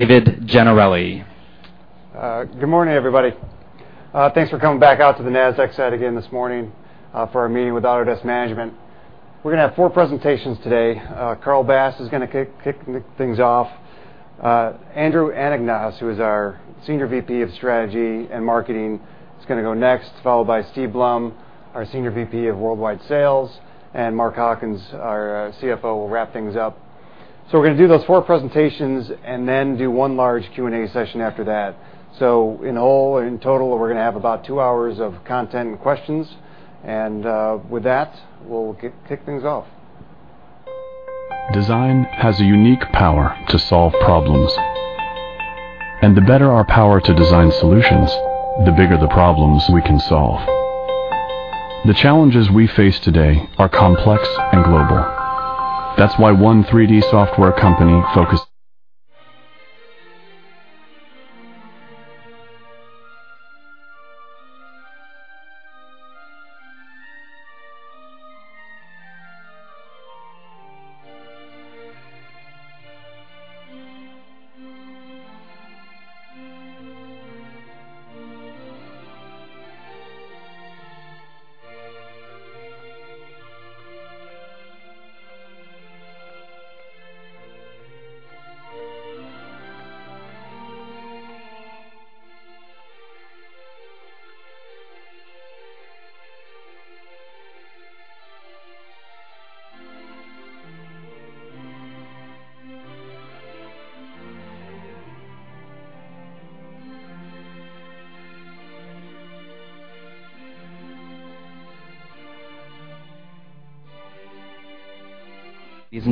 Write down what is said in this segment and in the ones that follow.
David Gennarelli. Good morning, everybody. Thanks for coming back out to the Nasdaq site again this morning for our meeting with Autodesk management. We're going to have four presentations today. Carl Bass is going to kick things off. Andrew Anagnost, who is our Senior VP of strategy and marketing, is going to go next, followed by Steve Blum, our Senior VP of worldwide sales, and Mark Hawkins, our CFO, will wrap things up. We're going to do those four presentations and then do one large Q&A session after that. In total, we're going to have about two hours of content and questions. With that, we'll kick things off. Design has a unique power to solve problems. The better our power to design solutions, the bigger the problems we can solve. The challenges we face today are complex and global. That's why one 3D software company.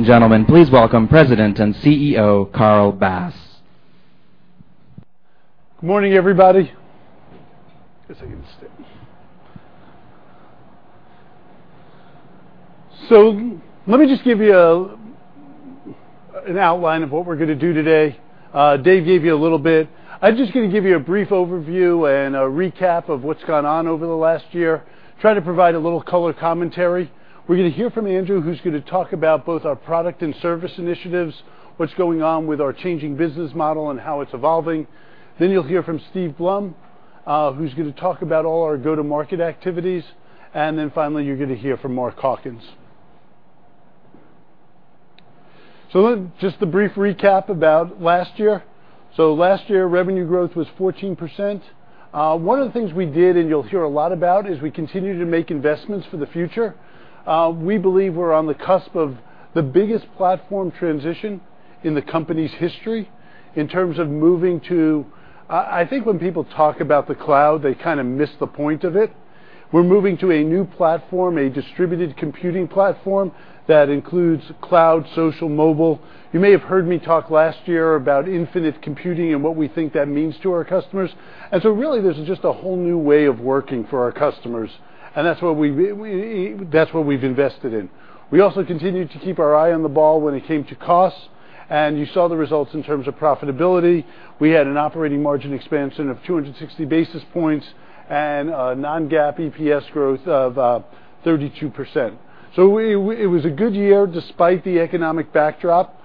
Ladies and gentlemen, please welcome President and CEO, Carl Bass. Good morning, everybody. Guess I can just take this. Let me just give you an outline of what we're going to do today. Dave gave you a little bit. I'm just going to give you a brief overview and a recap of what's gone on over the last year, try to provide a little color commentary. We're going to hear from Andrew, who's going to talk about both our product and service initiatives, what's going on with our changing business model, and how it's evolving. You'll hear from Steve Blum, who's going to talk about all our go-to-market activities. Finally, you're going to hear from Mark Hawkins. Just a brief recap about last year. Last year, revenue growth was 14%. One of the things we did, and you'll hear a lot about, is we continue to make investments for the future. We believe we're on the cusp of the biggest platform transition in the company's history in terms of moving to I think when people talk about the cloud, they kind of miss the point of it. We're moving to a new platform, a distributed computing platform that includes cloud, social, mobile. You may have heard me talk last year about infinite computing and what we think that means to our customers. Really, this is just a whole new way of working for our customers, and that's what we've invested in. We also continued to keep our eye on the ball when it came to costs, and you saw the results in terms of profitability. We had an operating margin expansion of 260 basis points and a non-GAAP EPS growth of 32%. It was a good year despite the economic backdrop,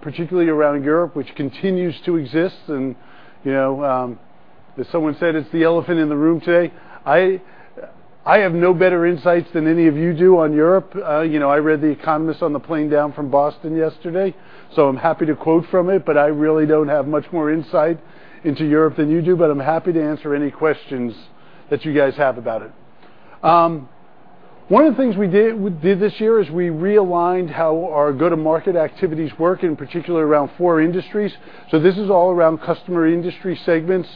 particularly around Europe, which continues to exist, and as someone said, it's the elephant in the room today. I have no better insights than any of you do on Europe. I read The Economist on the plane down from Boston yesterday, so I'm happy to quote from it, but I really don't have much more insight into Europe than you do. I'm happy to answer any questions that you guys have about it. One of the things we did this year is we realigned how our go-to-market activities work, in particular around four industries. This is all around customer industry segments.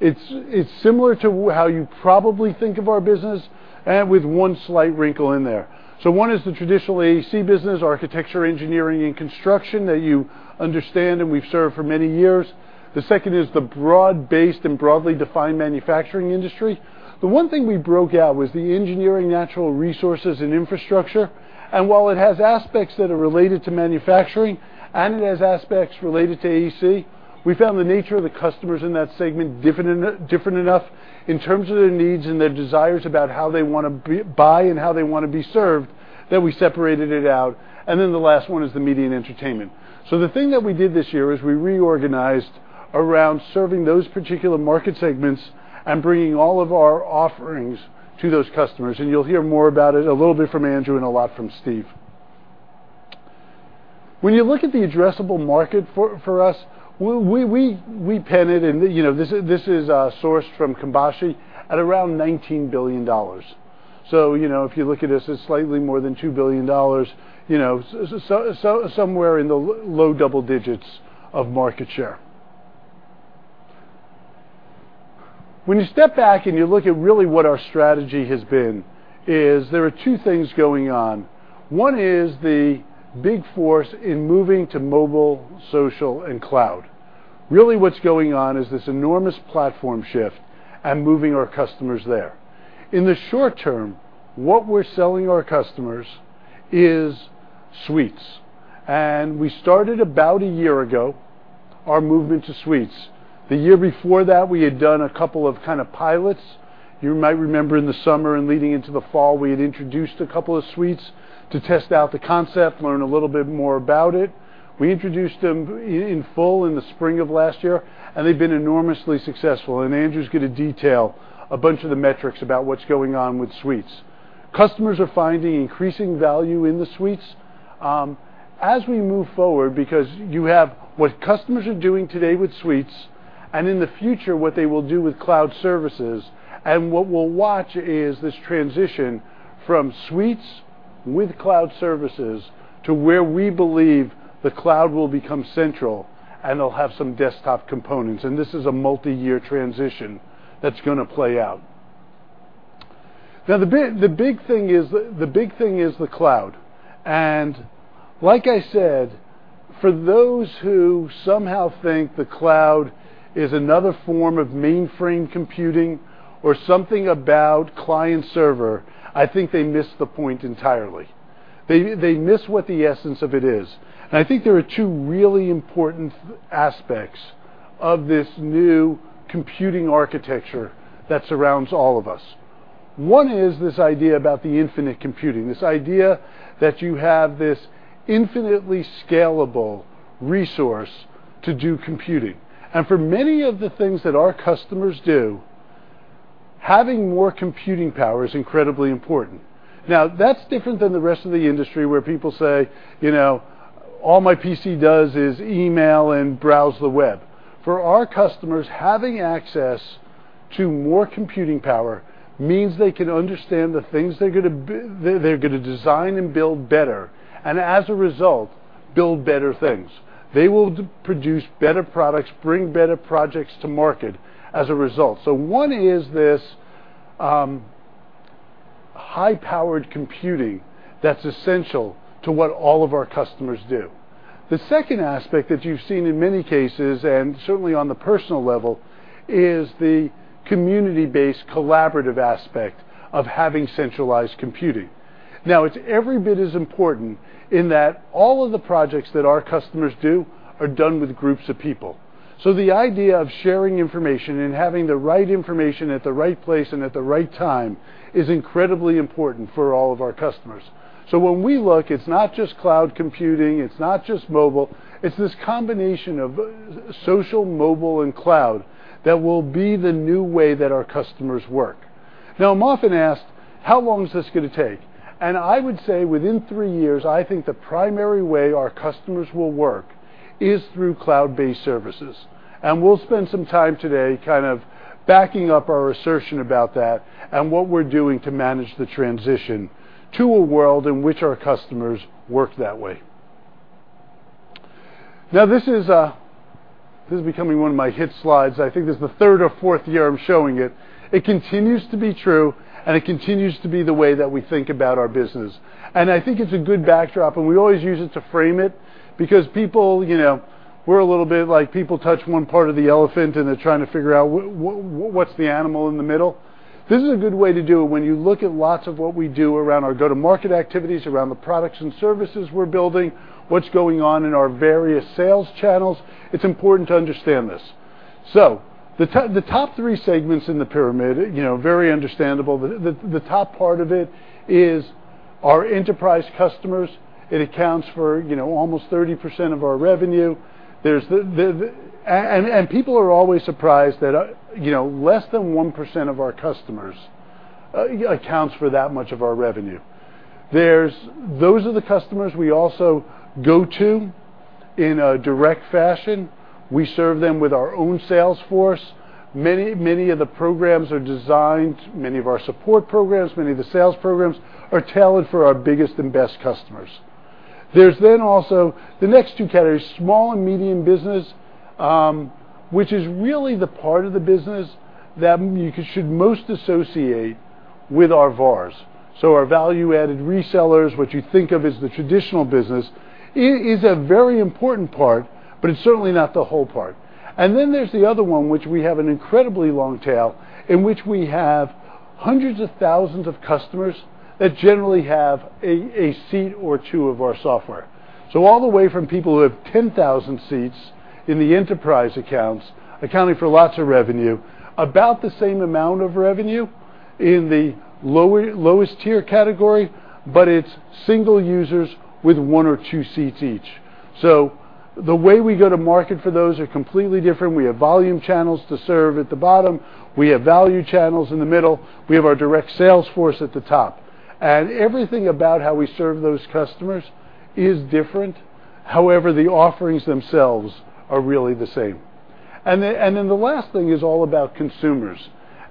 It's similar to how you probably think of our business, and with one slight wrinkle in there. One is the traditional AEC business, architecture, engineering, and construction, that you understand, and we've served for many years. The second is the broad-based and broadly defined manufacturing industry. The one thing we broke out was the engineering, natural resources, and infrastructure. While it has aspects that are related to manufacturing and it has aspects related to AEC, we found the nature of the customers in that segment different enough in terms of their needs and their desires about how they want to buy and how they want to be served, that we separated it out. The last one is the media and entertainment. The thing that we did this year is we reorganized around serving those particular market segments and bringing all of our offerings to those customers, and you'll hear more about it a little bit from Andrew and a lot from Steve. When you look at the addressable market for us, we pen it, and this is sourced from Cambashi, at around $19 billion. If you look at this, it's slightly more than $2 billion, somewhere in the low double digits of market share. When you step back and you look at really what our strategy has been, is there are two things going on. One is the big force in moving to mobile, social, and cloud. Really what's going on is this enormous platform shift and moving our customers there. In the short term, what we're selling our customers is suites. We started about a year ago, our movement to suites. The year before that, we had done a couple of kind of pilots You might remember in the summer and leading into the fall, we had introduced a couple of suites to test out the concept, learn a little bit more about it. We introduced them in full in the spring of last year, and they've been enormously successful. Andrew's going to detail a bunch of the metrics about what's going on with suites. Customers are finding increasing value in the suites. As we move forward, because you have what customers are doing today with suites and in the future, what they will do with cloud services, and what we'll watch is this transition from suites with cloud services to where we believe the cloud will become central and it'll have some desktop components, and this is a multi-year transition that's going to play out. The big thing is the cloud. Like I said, for those who somehow think the cloud is another form of mainframe computing or something about client-server, I think they miss the point entirely. They miss what the essence of it is. I think there are two really important aspects of this new computing architecture that surrounds all of us. One is this idea about the infinite computing, this idea that you have this infinitely scalable resource to do computing. For many of the things that our customers do, having more computing power is incredibly important. That's different than the rest of the industry, where people say, "All my PC does is email and browse the web." For our customers, having access to more computing power means they can understand the things they're going to design and build better, and as a result, build better things. They will produce better products, bring better projects to market as a result. One is this high-powered computing that's essential to what all of our customers do. The second aspect that you've seen in many cases, and certainly on the personal level, is the community-based collaborative aspect of having centralized computing. It's every bit as important in that all of the projects that our customers do are done with groups of people. The idea of sharing information and having the right information at the right place and at the right time is incredibly important for all of our customers. When we look, it's not just cloud computing, it's not just mobile, it's this combination of social, mobile, and cloud that will be the new way that our customers work. I'm often asked, how long is this going to take? I would say within three years, I think the primary way our customers will work is through cloud-based services. We'll spend some time today kind of backing up our assertion about that and what we're doing to manage the transition to a world in which our customers work that way. This is becoming one of my hit slides. I think this is the third or fourth year I'm showing it. It continues to be true, and it continues to be the way that we think about our business. I think it's a good backdrop, and we always use it to frame it because people, we're a little bit like people touch one part of the elephant and they're trying to figure out what's the animal in the middle. This is a good way to do it when you look at lots of what we do around our go-to-market activities, around the products and services we're building, what's going on in our various sales channels. It's important to understand this. The top three segments in the pyramid, very understandable. The top part of it is our enterprise customers. It accounts for almost 30% of our revenue. People are always surprised that less than 1% of our customers accounts for that much of our revenue. Those are the customers we also go to in a direct fashion. We serve them with our own sales force. Many of the programs are designed, many of our support programs, many of the sales programs are tailored for our biggest and best customers. There's also the next 2 categories, small and medium business, which is really the part of the business that you should most associate with our VARs. Our value-added resellers, what you think of as the traditional business, is a very important part, but it's certainly not the whole part. There's the other one, which we have an incredibly long tail, in which we have hundreds of thousands of customers that generally have a seat or 2 of our software. All the way from people who have 10,000 seats in the enterprise accounts, accounting for lots of revenue, about the same amount of revenue in the lowest tier category, but it's single users with 1 or 2 seats each. The way we go to market for those are completely different. We have volume channels to serve at the bottom. We have value channels in the middle. We have our direct sales force at the top. Everything about how we serve those customers is different. However, the offerings themselves are really the same. The last thing is all about consumers.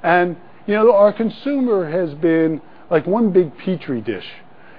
Our consumer has been like one big Petri dish.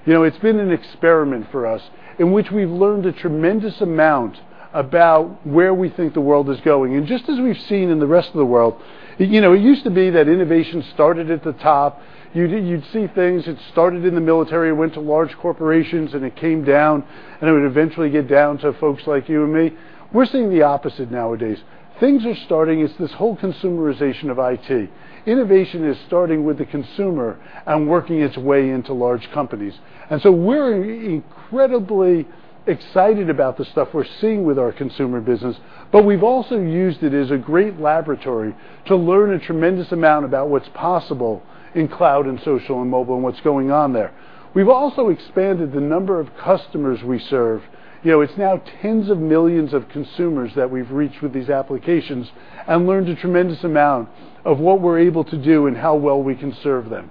It's been an experiment for us in which we've learned a tremendous amount about where we think the world is going. Just as we've seen in the rest of the world, it used to be that innovation started at the top. You'd see things, it started in the military, it went to large corporations, it came down, and it would eventually get down to folks like you and me. We're seeing the opposite nowadays. Things are starting, it's this whole consumerization of IT. Innovation is starting with the consumer and working its way into large companies. We're incredibly excited about the stuff we're seeing with our consumer business, but we've also used it as a great laboratory to learn a tremendous amount about what's possible in cloud and social and mobile and what's going on there. We've also expanded the number of customers we serve. It's now tens of millions of consumers that we've reached with these applications and learned a tremendous amount of what we're able to do and how well we can serve them.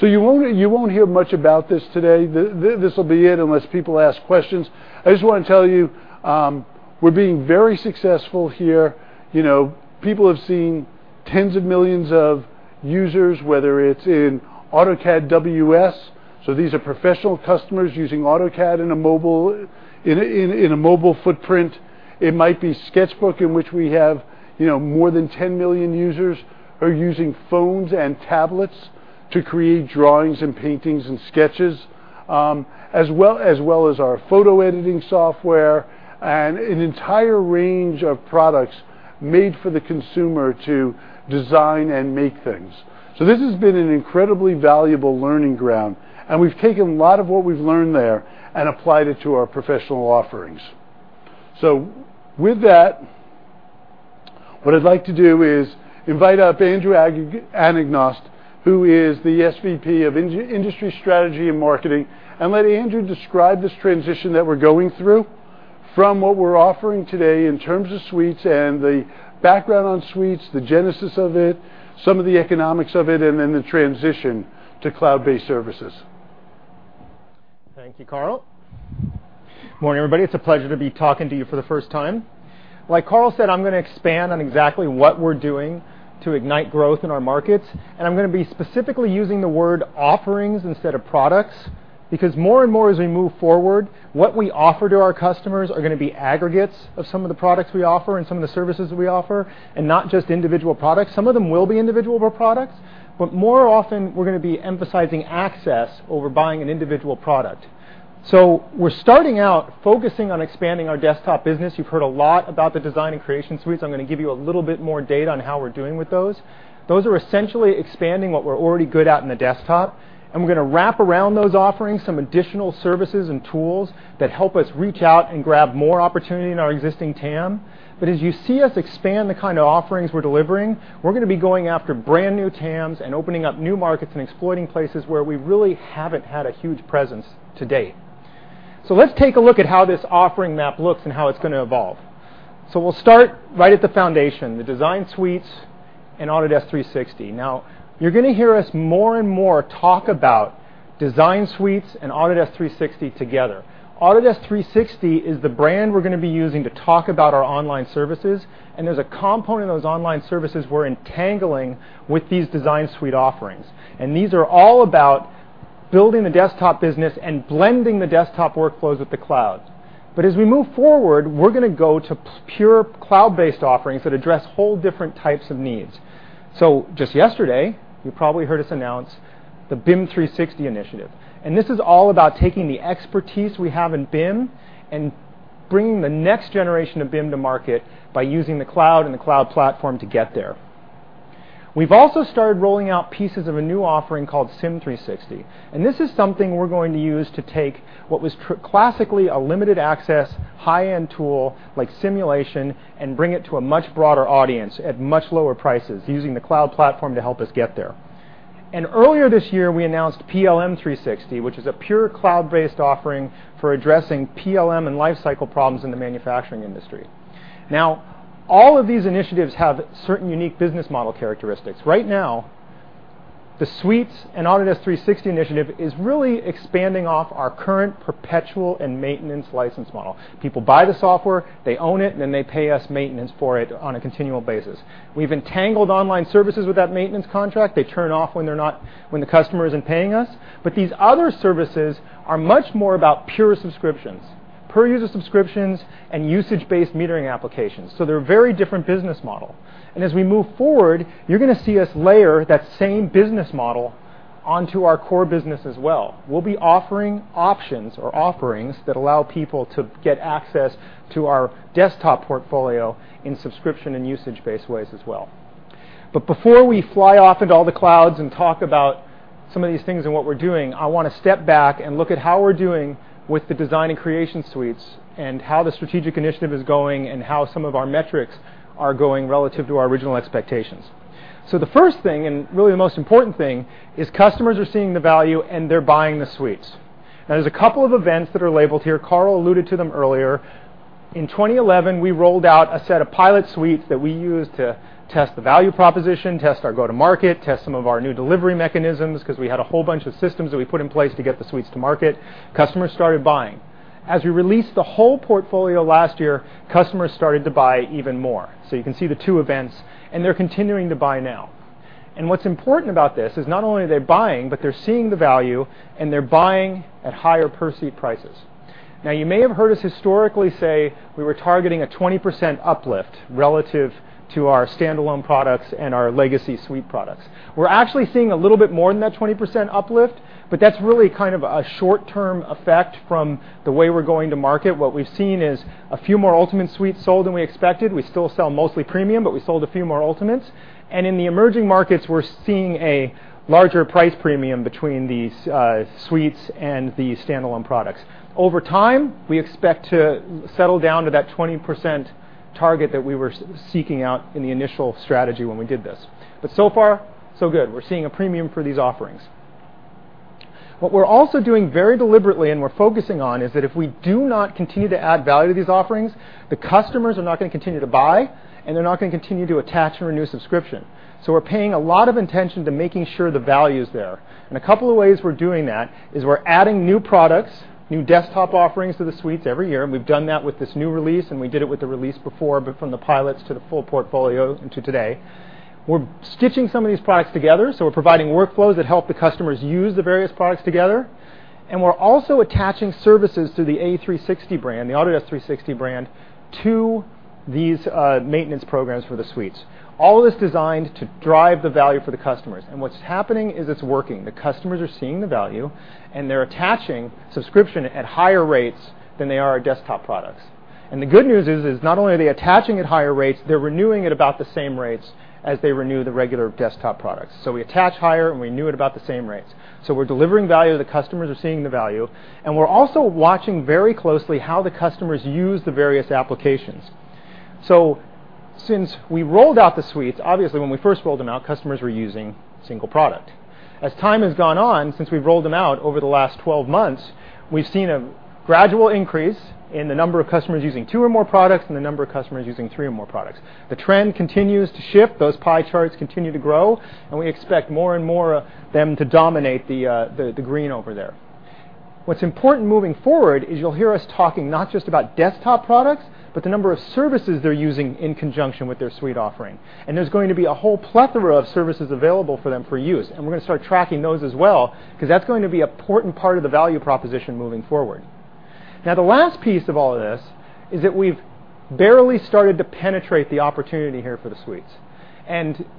You won't hear much about this today. This will be it unless people ask questions. I just want to tell you, we're being very successful here. People have seen tens of millions of users, whether it's in AutoCAD WS, these are professional customers using AutoCAD in a mobile footprint. It might be SketchBook, in which we have more than 10 million users who are using phones and tablets to create drawings and paintings and sketches, as well as our photo editing software and an entire range of products made for the consumer to design and make things. This has been an incredibly valuable learning ground, and we have taken a lot of what we have learned there and applied it to our professional offerings. With that, what I would like to do is invite up Andrew Anagnost, who is the SVP of Industry Strategy and Marketing, and let Andrew describe this transition that we are going through from what we are offering today in terms of suites and the background on suites, the genesis of it, some of the economics of it, and then the transition to cloud-based services. Thank you, Carl. Morning, everybody. It is a pleasure to be talking to you for the first time. Like Carl said, I am going to expand on exactly what we are doing to ignite growth in our markets, and I am going to be specifically using the word offerings instead of products, because more and more as we move forward, what we offer to our customers are going to be aggregates of some of the products we offer and some of the services we offer, and not just individual products. Some of them will be individual products, but more often we are going to be emphasizing access over buying an individual product. We are starting out focusing on expanding our desktop business. You have heard a lot about the design and creation suites. I am going to give you a little bit more data on how we are doing with those. Those are essentially expanding what we are already good at in the desktop, and we are going to wrap around those offerings some additional services and tools that help us reach out and grab more opportunity in our existing TAM. As you see us expand the kind of offerings we are delivering, we are going to be going after brand new TAMs and opening up new markets and exploiting places where we really have not had a huge presence to date. Let us take a look at how this offering map looks and how it is going to evolve. We will start right at the foundation, the design suites and Autodesk 360. You are going to hear us more and more talk about design suites and Autodesk 360 together. Autodesk 360 is the brand we are going to be using to talk about our online services, and there is a component of those online services we are entangling with these design suite offerings. These are all about building the desktop business and blending the desktop workflows with the cloud. As we move forward, we are going to go to pure cloud-based offerings that address whole different types of needs. Just yesterday, you probably heard us announce the BIM 360 initiative. This is all about taking the expertise we have in BIM and bringing the next generation of BIM to market by using the cloud and the cloud platform to get there. We've also started rolling out pieces of a new offering called Sim 360, and this is something we're going to use to take what was classically a limited access, high-end tool like simulation and bring it to a much broader audience at much lower prices using the cloud platform to help us get there. Earlier this year, we announced PLM 360, which is a pure cloud-based offering for addressing PLM and lifecycle problems in the manufacturing industry. Now, all of these initiatives have certain unique business model characteristics. Right now, the suites and Autodesk 360 initiative is really expanding off our current perpetual and maintenance license model. People buy the software, they own it, and then they pay us maintenance for it on a continual basis. We've entangled online services with that maintenance contract. They turn off when the customer isn't paying us. These other services are much more about pure subscriptions, per-user subscriptions, and usage-based metering applications. They're a very different business model. As we move forward, you're going to see us layer that same business model onto our core business as well. We'll be offering options or offerings that allow people to get access to our desktop portfolio in subscription and usage-based ways as well. Before we fly off into all the clouds and talk about some of these things and what we're doing, I want to step back and look at how we're doing with the design and creation suites and how the strategic initiative is going and how some of our metrics are going relative to our original expectations. The first thing, and really the most important thing, is customers are seeing the value and they're buying the suites. Now, there's a couple of events that are labeled here. Carl alluded to them earlier. In 2011, we rolled out a set of pilot suites that we used to test the value proposition, test our go-to-market, test some of our new delivery mechanisms, because we had a whole bunch of systems that we put in place to get the suites to market. Customers started buying. As we released the whole portfolio last year, customers started to buy even more. You can see the two events, and they're continuing to buy now. What's important about this is not only are they buying, but they're seeing the value and they're buying at higher per-seat prices. Now, you may have heard us historically say we were targeting a 20% uplift relative to our standalone products and our legacy suite products. We're actually seeing a little bit more than that 20% uplift, that's really kind of a short-term effect from the way we're going to market. What we've seen is a few more Ultimate suites sold than we expected. We still sell mostly Premium, but we sold a few more Ultimates. In the emerging markets, we're seeing a larger price premium between these suites and the standalone products. Over time, we expect to settle down to that 20% target that we were seeking out in the initial strategy when we did this. So far, so good. We're seeing a premium for these offerings. What we're also doing very deliberately and we're focusing on is that if we do not continue to add value to these offerings, the customers are not going to continue to buy, and they're not going to continue to attach or renew subscription. We're paying a lot of attention to making sure the value is there. A couple of ways we're doing that is we're adding new products, new desktop offerings to the suites every year. We've done that with this new release, and we did it with the release before, but from the pilots to the full portfolio and to today. We're stitching some of these products together, so we're providing workflows that help the customers use the various products together. We're also attaching services to the A360 brand, the Autodesk 360 brand, to these maintenance programs for the suites. All of this designed to drive the value for the customers. What's happening is it's working. The customers are seeing the value, and they're attaching subscription at higher rates than they are our desktop products. The good news is not only are they attaching at higher rates, they're renewing at about the same rates as they renew the regular desktop products. We attach higher, and we renew at about the same rates. We're delivering value, the customers are seeing the value, and we're also watching very closely how the customers use the various applications. Since we rolled out the suites, obviously when we first rolled them out, customers were using single product. As time has gone on since we've rolled them out over the last 12 months, we've seen a gradual increase in the number of customers using two or more products and the number of customers using three or more products. The trend continues to shift. Those pie charts continue to grow, and we expect more and more of them to dominate the green over there. What's important moving forward is you'll hear us talking not just about desktop products, but the number of services they're using in conjunction with their suite offering. There's going to be a whole plethora of services available for them for use. We're going to start tracking those as well because that's going to be important part of the value proposition moving forward. The last piece of all of this is that we've barely started to penetrate the opportunity here for the suites.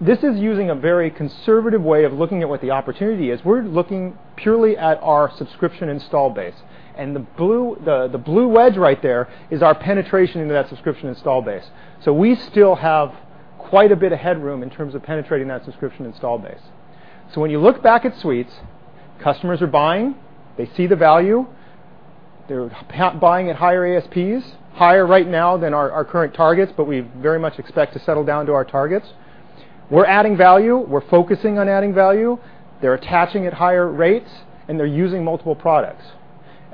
This is using a very conservative way of looking at what the opportunity is. We're looking purely at our subscription install base. The blue wedge right there is our penetration into that subscription install base. We still have quite a bit of headroom in terms of penetrating that subscription install base. When you look back at suites, customers are buying. They see the value. They're buying at higher ASPs, higher right now than our current targets, but we very much expect to settle down to our targets. We're adding value. We're focusing on adding value. They're attaching at higher rates, and they're using multiple products.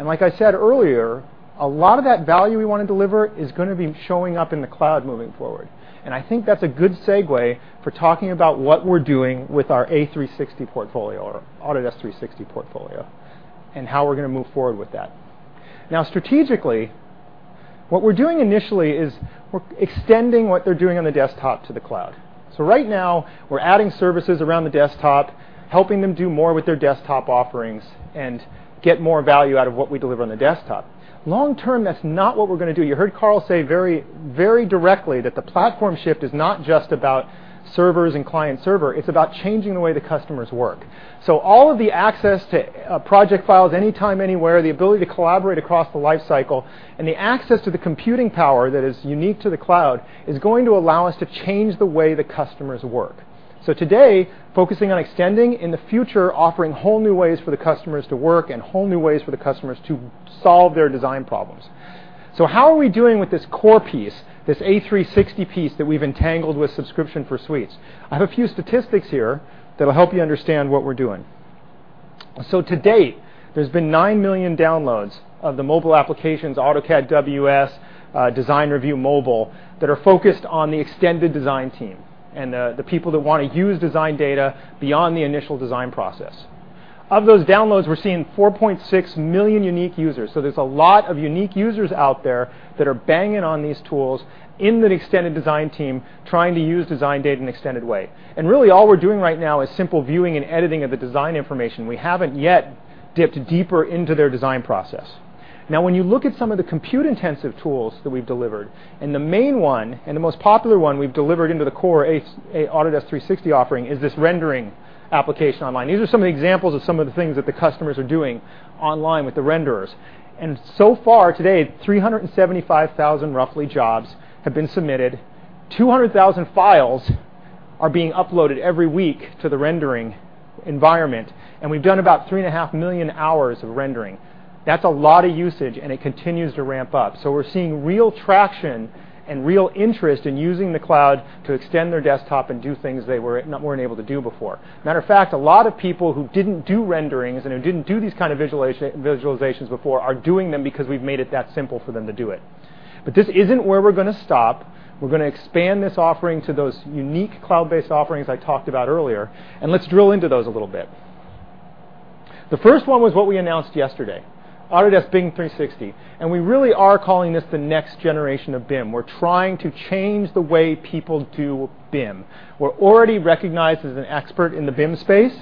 Like I said earlier, a lot of that value we want to deliver is going to be showing up in the cloud moving forward. I think that's a good segue for talking about what we're doing with our A360 portfolio or Autodesk 360 portfolio and how we're going to move forward with that. Strategically, what we're doing initially is we're extending what they're doing on the desktop to the cloud. Right now, we're adding services around the desktop, helping them do more with their desktop offerings and get more value out of what we deliver on the desktop. Long term, that's not what we're going to do. You heard Carl say very directly that the platform shift is not just about servers and client server. It's about changing the way the customers work. All of the access to project files anytime, anywhere, the ability to collaborate across the lifecycle, and the access to the computing power that is unique to the cloud is going to allow us to change the way the customers work. Today, focusing on extending. In the future, offering whole new ways for the customers to work and whole new ways for the customers to solve their design problems. How are we doing with this core piece, this A360 piece that we've entangled with subscription for suites? I have a few statistics here that'll help you understand what we're doing. To date, there's been 9 million downloads of the mobile applications, AutoCAD WS, Design Review Mobile, that are focused on the extended design team and the people that want to use design data beyond the initial design process. Of those downloads, we're seeing 4.6 million unique users, there's a lot of unique users out there that are banging on these tools in that extended design team trying to use design data in an extended way. Really, all we're doing right now is simple viewing and editing of the design information. We haven't yet dipped deeper into their design process. When you look at some of the compute-intensive tools that we've delivered, the main one and the most popular one we've delivered into the core Autodesk 360 offering is this rendering application online. These are some of the examples of some of the things that the customers are doing online with the renderers. So far, to date, 375,000 roughly jobs have been submitted. 200,000 files are being uploaded every week to the rendering environment. We've done about three and a half million hours of rendering. That's a lot of usage, and it continues to ramp up. We're seeing real traction and real interest in using the cloud to extend their desktop and do things they weren't able to do before. Matter of fact, a lot of people who didn't do renderings and who didn't do these kind of visualizations before are doing them because we've made it that simple for them to do it. This isn't where we're going to stop. We're going to expand this offering to those unique cloud-based offerings I talked about earlier, and let's drill into those a little bit. The first one was what we announced yesterday, Autodesk BIM 360. We really are calling this the next generation of BIM. We're trying to change the way people do BIM. We're already recognized as an expert in the BIM space,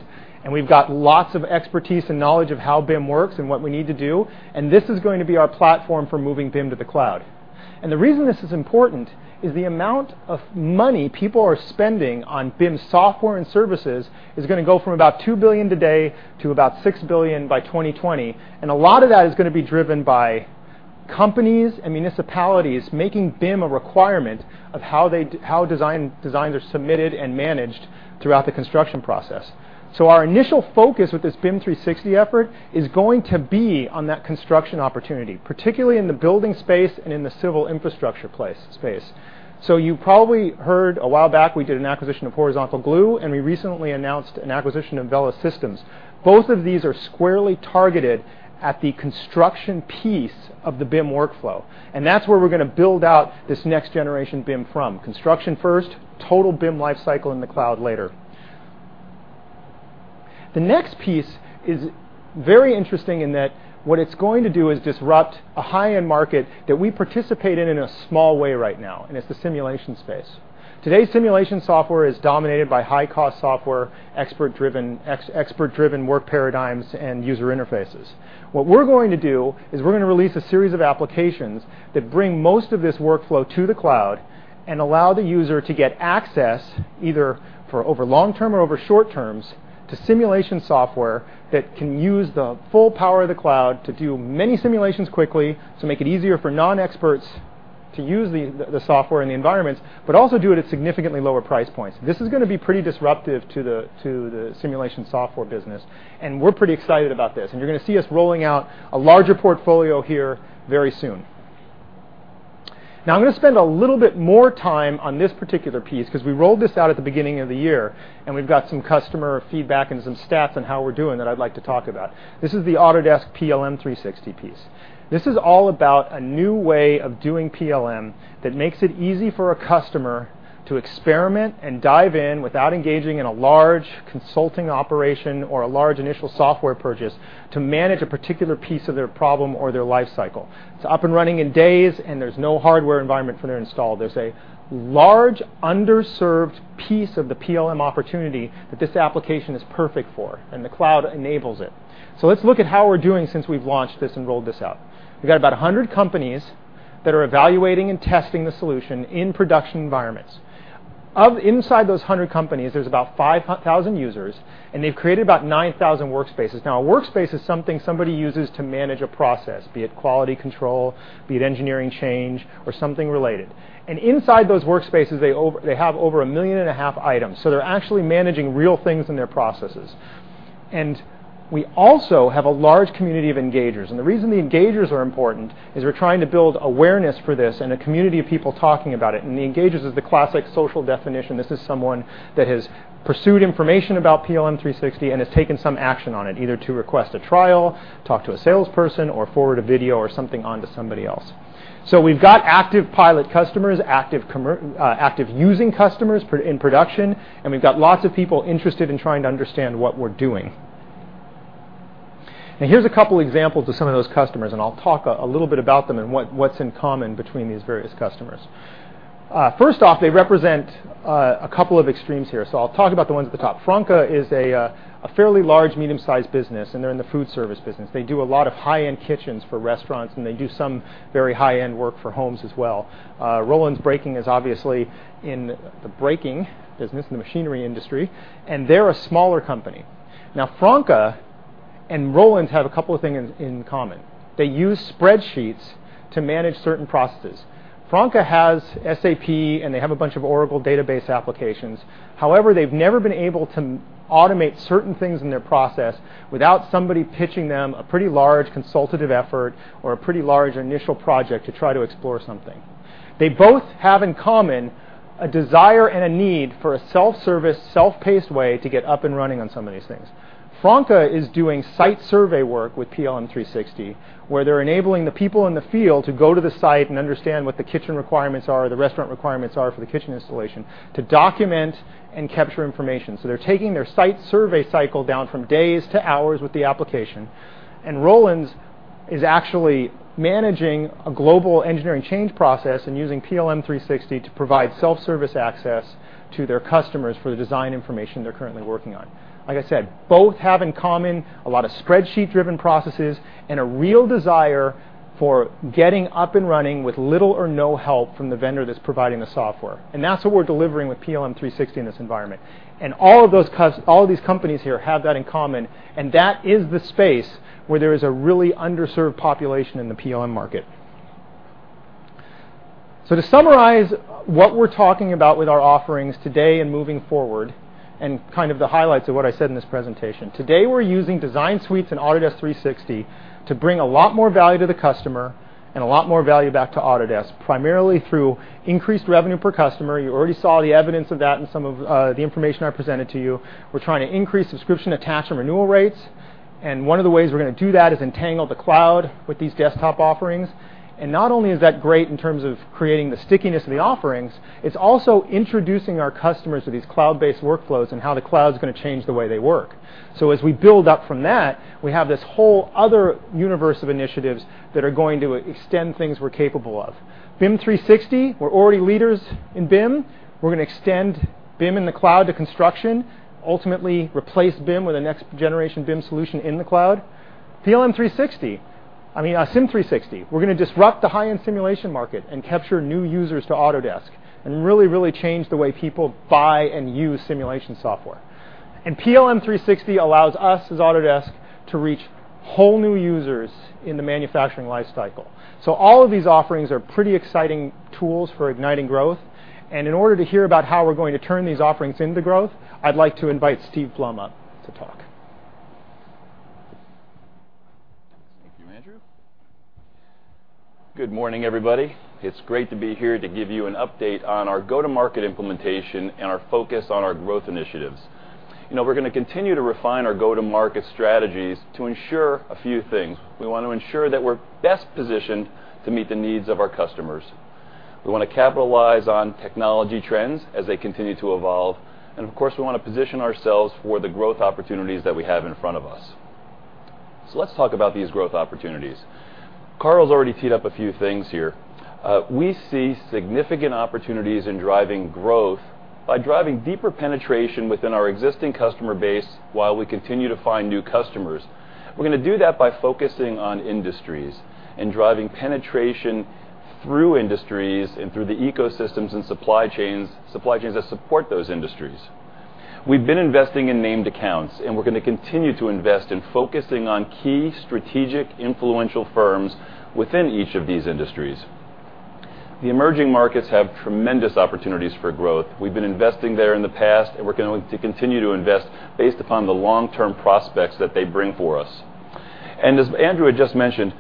we've got lots of expertise and knowledge of how BIM works and what we need to do, this is going to be our platform for moving BIM to the cloud. The reason this is important is the amount of money people are spending on BIM software and services is going to go from about $2 billion today to about $6 billion by 2020. A lot of that is going to be driven by companies and municipalities making BIM a requirement of how designs are submitted and managed throughout the construction process. Our initial focus with this BIM 360 effort is going to be on that construction opportunity, particularly in the building space and in the civil infrastructure space. You probably heard a while back we did an acquisition of Horizontal Glue, and we recently announced an acquisition of Vela Systems. Both of these are squarely targeted at the construction piece of the BIM workflow, and that's where we're going to build out this next generation BIM from. Construction first, total BIM life cycle in the cloud later. The next piece is very interesting in that what it's going to do is disrupt a high-end market that we participate in in a small way right now, and it's the simulation space. Today's simulation software is dominated by high-cost software, expert-driven work paradigms, and user interfaces. What we're going to do is we're going to release a series of applications that bring most of this workflow to the cloud and allow the user to get access, either for over long-term or over short terms, to simulation software that can use the full power of the cloud to do many simulations quickly to make it easier for non-experts to use the software and the environments, but also do it at significantly lower price points. This is going to be pretty disruptive to the simulation software business, and we're pretty excited about this. You're going to see us rolling out a larger portfolio here very soon. I'm going to spend a little bit more time on this particular piece because we rolled this out at the beginning of the year, and we've got some customer feedback and some stats on how we're doing that I'd like to talk about. This is the Autodesk PLM 360 piece. This is all about a new way of doing PLM that makes it easy for a customer to experiment and dive in without engaging in a large consulting operation or a large initial software purchase to manage a particular piece of their problem or their life cycle. It's up and running in days, and there's no hardware environment for it to install. There's a large underserved piece of the PLM opportunity that this application is perfect for, and the cloud enables it. Let's look at how we're doing since we've launched this and rolled this out. We've got about 100 companies that are evaluating and testing the solution in production environments. Inside those 100 companies, there's about 5,000 users, and they've created about 9,000 workspaces. A workspace is something somebody uses to manage a process, be it quality control, be it engineering change, or something related. Inside those workspaces, they have over 1.5 million items, so they're actually managing real things in their processes. We also have a large community of engagers. The reason the engagers are important is we're trying to build awareness for this and a community of people talking about it, and the engagers is the classic social definition. This is someone that has pursued information about PLM 360 and has taken some action on it, either to request a trial, talk to a salesperson, or forward a video or something on to somebody else. We've got active pilot customers, active using customers in production, and we've got lots of people interested in trying to understand what we're doing. Here's a couple examples of some of those customers, and I'll talk a little bit about them and what's in common between these various customers. First off, they represent a couple of extremes here, so I'll talk about the ones at the top. Franke is a fairly large, medium-sized business, and they're in the food service business. They do a lot of high-end kitchens for restaurants, and they do some very high-end work for homes as well. Roulunds Braking is obviously in the braking business and the machinery industry, and they're a smaller company. Franke and Roulunds have a couple of things in common. They use spreadsheets to manage certain processes. Franke has SAP, and they have a bunch of Oracle Database applications. However, they've never been able to automate certain things in their process without somebody pitching them a pretty large consultative effort or a pretty large initial project to try to explore something. They both have in common a desire and a need for a self-service, self-paced way to get up and running on some of these things. Franke is doing site survey work with PLM 360, where they're enabling the people in the field to go to the site and understand what the kitchen requirements are, the restaurant requirements are for the kitchen installation to document and capture information. They're taking their site survey cycle down from days to hours with the application. Rollins is actually managing a global engineering change process and using PLM 360 to provide self-service access to their customers for the design information they're currently working on. Like I said, both have in common a lot of spreadsheet-driven processes and a real desire for getting up and running with little or no help from the vendor that's providing the software. That's what we're delivering with PLM 360 in this environment. All of these companies here have that in common, and that is the space where there is a really underserved population in the PLM market. To summarize what we're talking about with our offerings today and moving forward, and kind of the highlights of what I said in this presentation. Today, we're using Design Suites and Autodesk 360 to bring a lot more value to the customer and a lot more value back to Autodesk, primarily through increased revenue per customer. You already saw the evidence of that in some of the information I presented to you. We're trying to increase subscription, attach, and renewal rates, and one of the ways we're going to do that is entangle the cloud with these desktop offerings. Not only is that great in terms of creating the stickiness of the offerings, it's also introducing our customers to these cloud-based workflows and how the cloud is going to change the way they work. As we build up from that, we have this whole other universe of initiatives that are going to extend things we're capable of. BIM 360, we're already leaders in BIM. We're going to extend BIM in the cloud to construction, ultimately replace BIM with a next-generation BIM solution in the cloud. Sim 360. We're going to disrupt the high-end simulation market and capture new users to Autodesk and really change the way people buy and use simulation software. PLM 360 allows us as Autodesk to reach whole new users in the manufacturing life cycle. All of these offerings are pretty exciting tools for igniting growth. In order to hear about how we're going to turn these offerings into growth, I'd like to invite Steve Blum up to talk. Thank you, Andrew. Good morning, everybody. It's great to be here to give you an update on our go-to-market implementation and our focus on our growth initiatives. We're going to continue to refine our go-to-market strategies to ensure a few things. We want to ensure that we're best positioned to meet the needs of our customers. We want to capitalize on technology trends as they continue to evolve. Of course, we want to position ourselves for the growth opportunities that we have in front of us. Let's talk about these growth opportunities. Carl's already teed up a few things here. We see significant opportunities in driving growth by driving deeper penetration within our existing customer base while we continue to find new customers. We're going to do that by focusing on industries and driving penetration through industries and through the ecosystems and supply chains that support those industries. We've been investing in named accounts, and we're going to continue to invest in focusing on key strategic influential firms within each of these industries. The emerging markets have tremendous opportunities for growth. We've been investing there in the past, and we're going to continue to invest based upon the long-term prospects that they bring for us. As Andrew had just mentioned,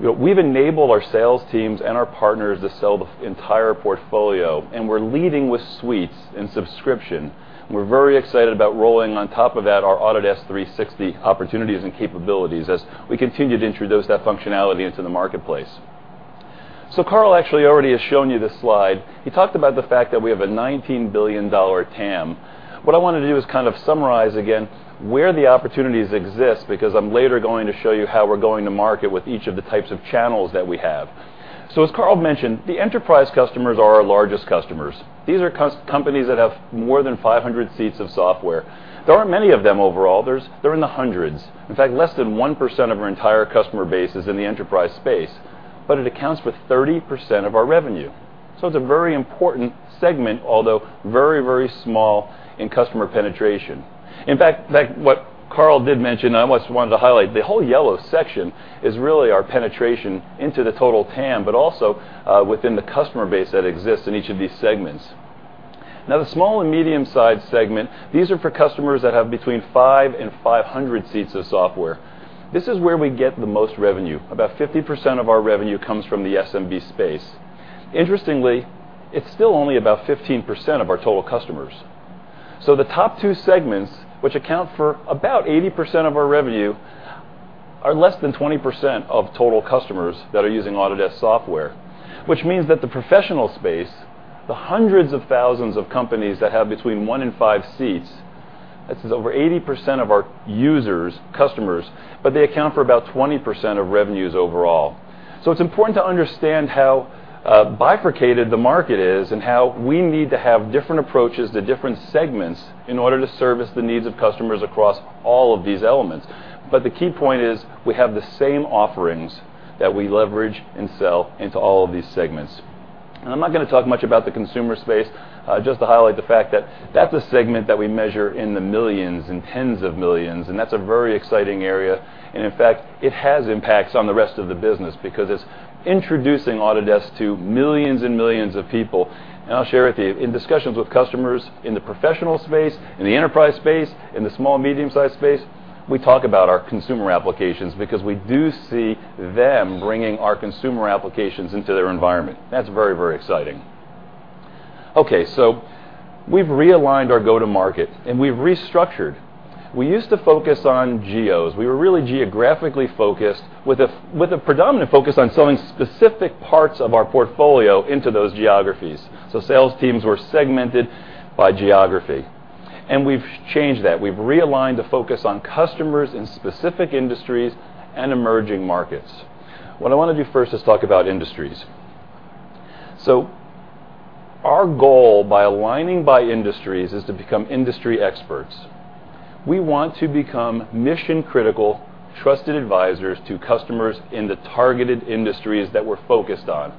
we've enabled our sales teams and our partners to sell the entire portfolio, and we're leading with suites and subscription. We're very excited about rolling on top of that our Autodesk 360 opportunities and capabilities as we continue to introduce that functionality into the marketplace. Carl actually already has shown you this slide. He talked about the fact that we have a $19 billion TAM. What I want to do is kind of summarize again where the opportunities exist, because I'm later going to show you how we're going to market with each of the types of channels that we have. As Carl mentioned, the enterprise customers are our largest customers. These are companies that have more than 500 seats of software. There aren't many of them overall. They're in the hundreds. In fact, less than 1% of our entire customer base is in the enterprise space, but it accounts for 30% of our revenue. It's a very important segment, although very small in customer penetration. In fact, what Carl did mention, I almost wanted to highlight, the whole yellow section is really our penetration into the total TAM, but also within the customer base that exists in each of these segments. The small and medium-sized segment, these are for customers that have between five and 500 seats of software. This is where we get the most revenue. About 50% of our revenue comes from the SMB space. Interestingly, it is still only about 15% of our total customers. The top two segments, which account for about 80% of our revenue, are less than 20% of total customers that are using Autodesk software. This means that the professional space, the hundreds of thousands of companies that have between one and five seats, this is over 80% of our users, customers, but they account for about 20% of revenues overall. It is important to understand how bifurcated the market is and how we need to have different approaches to different segments in order to service the needs of customers across all of these elements. The key point is we have the same offerings that we leverage and sell into all of these segments. I am not going to talk much about the consumer space. Just to highlight the fact that that is a segment that we measure in the millions and tens of millions, and that is a very exciting area. In fact, it has impacts on the rest of the business because it is introducing Autodesk to millions and millions of people. I will share with you, in discussions with customers in the professional space, in the enterprise space, in the small and medium-sized space, we talk about our consumer applications because we do see them bringing our consumer applications into their environment. That is very exciting. Okay, we have realigned our go-to market, and we have restructured. We used to focus on geos. We were really geographically focused with a predominant focus on selling specific parts of our portfolio into those geographies. Sales teams were segmented by geography. We have changed that. We have realigned the focus on customers in specific industries and emerging markets. What I want to do first is talk about industries. Our goal by aligning by industries is to become industry experts. We want to become mission-critical, trusted advisors to customers in the targeted industries that we are focused on.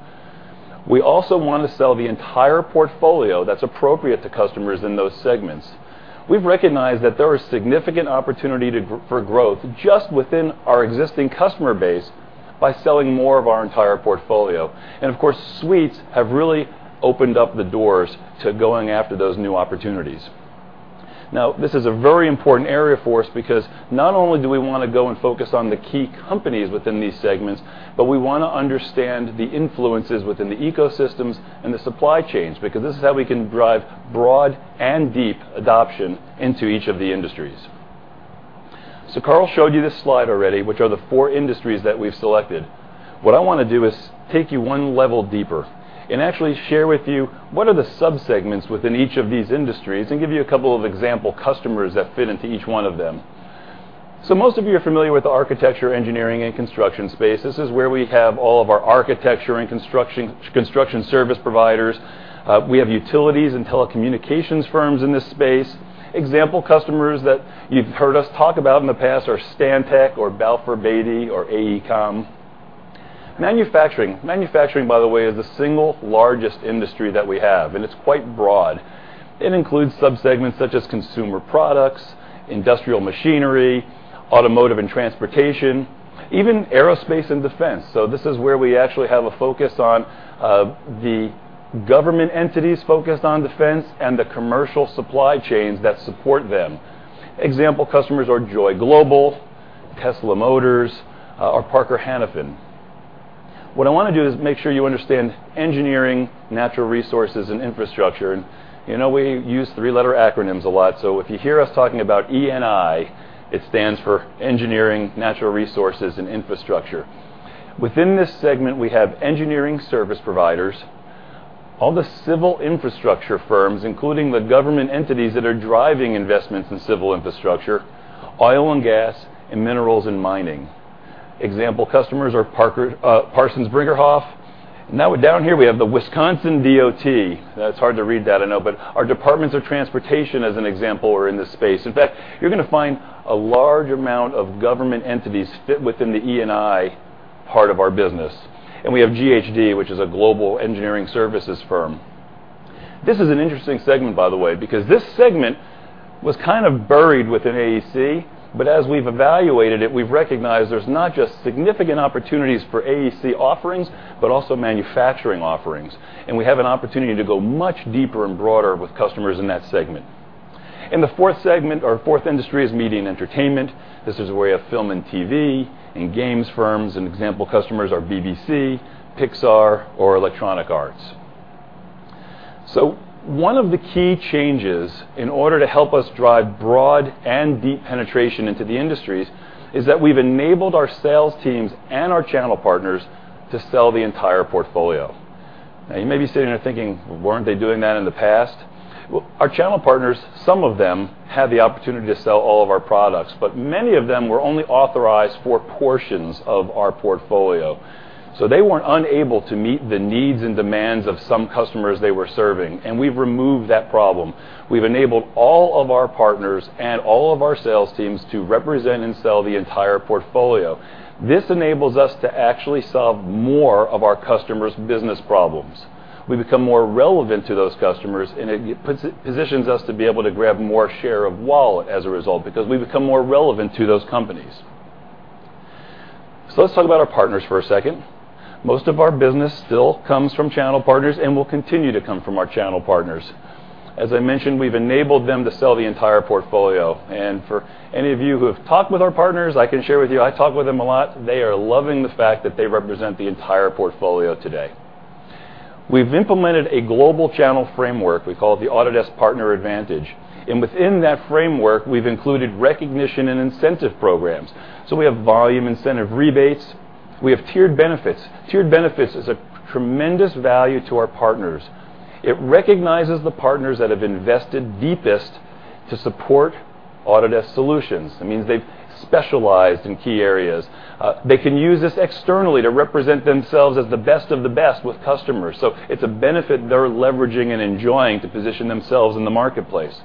We also want to sell the entire portfolio that is appropriate to customers in those segments. We have recognized that there is significant opportunity for growth just within our existing customer base by selling more of our entire portfolio. Of course, suites have really opened up the doors to going after those new opportunities. This is a very important area for us because not only do we want to go and focus on the key companies within these segments, but we want to understand the influences within the ecosystems and the supply chains, because this is how we can drive broad and deep adoption into each of the industries. Carl showed you this slide already, which are the four industries that we have selected. What I want to do is take you one level deeper and actually share with you what are the sub-segments within each of these industries and give you a couple of example customers that fit into each one of them. Most of you are familiar with the architecture, engineering, and construction space. This is where we have all of our architecture and construction service providers. We have utilities and telecommunications firms in this space. Example customers that you've heard us talk about in the past are Stantec or Balfour Beatty or AECOM. Manufacturing. Manufacturing, by the way, is the single largest industry that we have, and it's quite broad. It includes sub-segments such as consumer products, industrial machinery, automotive and transportation, even aerospace and defense. This is where we actually have a focus on the government entities focused on defense and the commercial supply chains that support them. Example customers are Joy Global, Tesla Motors, or Parker Hannifin. What I want to do is make sure you understand engineering, natural resources, and infrastructure. You know we use three-letter acronyms a lot, so if you hear us talking about ENI, it stands for engineering, natural resources, and infrastructure. Within this segment, we have engineering service providers All the civil infrastructure firms, including the government entities that are driving investments in civil infrastructure, oil and gas, and minerals and mining. Example customers are Parsons Brinckerhoff. Down here, we have the Wisconsin DOT. It's hard to read that, I know, but our departments of transportation, as an example, are in this space. In fact, you're going to find a large amount of government entities fit within the ENI part of our business. We have GHD, which is a global engineering services firm. This is an interesting segment, by the way, because this segment was kind of buried within AEC, but as we've evaluated it, we've recognized there's not just significant opportunities for AEC offerings, but also manufacturing offerings. We have an opportunity to go much deeper and broader with customers in that segment. In the fourth segment, our fourth industry is media and entertainment. This is where we have film and TV, and games firms, and example customers are BBC, Pixar, or Electronic Arts. One of the key changes in order to help us drive broad and deep penetration into the industries is that we've enabled our sales teams and our channel partners to sell the entire portfolio. You may be sitting there thinking, "Well, weren't they doing that in the past?" Well, our channel partners, some of them, had the opportunity to sell all of our products, but many of them were only authorized for portions of our portfolio. They were unable to meet the needs and demands of some customers they were serving, and we've removed that problem. We've enabled all of our partners and all of our sales teams to represent and sell the entire portfolio. This enables us to actually solve more of our customers' business problems. We become more relevant to those customers, and it positions us to be able to grab more share of wallet as a result because we become more relevant to those companies. Let's talk about our partners for a second. Most of our business still comes from channel partners and will continue to come from our channel partners. As I mentioned, we've enabled them to sell the entire portfolio. For any of you who have talked with our partners, I can share with you, I talk with them a lot, they are loving the fact that they represent the entire portfolio today. We've implemented a global channel framework. We call it the Autodesk Partner Advantage. Within that framework, we've included recognition and incentive programs. We have volume incentive rebates. We have tiered benefits. Tiered benefits is a tremendous value to our partners. It recognizes the partners that have invested deepest to support Autodesk solutions. It means they've specialized in key areas. They can use this externally to represent themselves as the best of the best with customers. It's a benefit they're leveraging and enjoying to position themselves in the marketplace.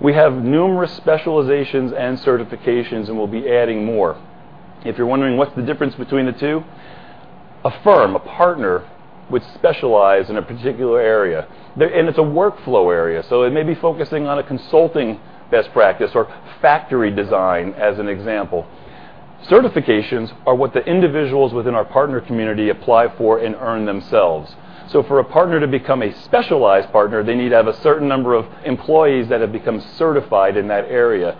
We have numerous specializations and certifications, and we'll be adding more. If you're wondering what's the difference between the two, a firm, a partner, would specialize in a particular area. It's a workflow area, so it may be focusing on a consulting best practice or factory design, as an example. Certifications are what the individuals within our partner community apply for and earn themselves. For a partner to become a specialized partner, they need to have a certain number of employees that have become certified in that area.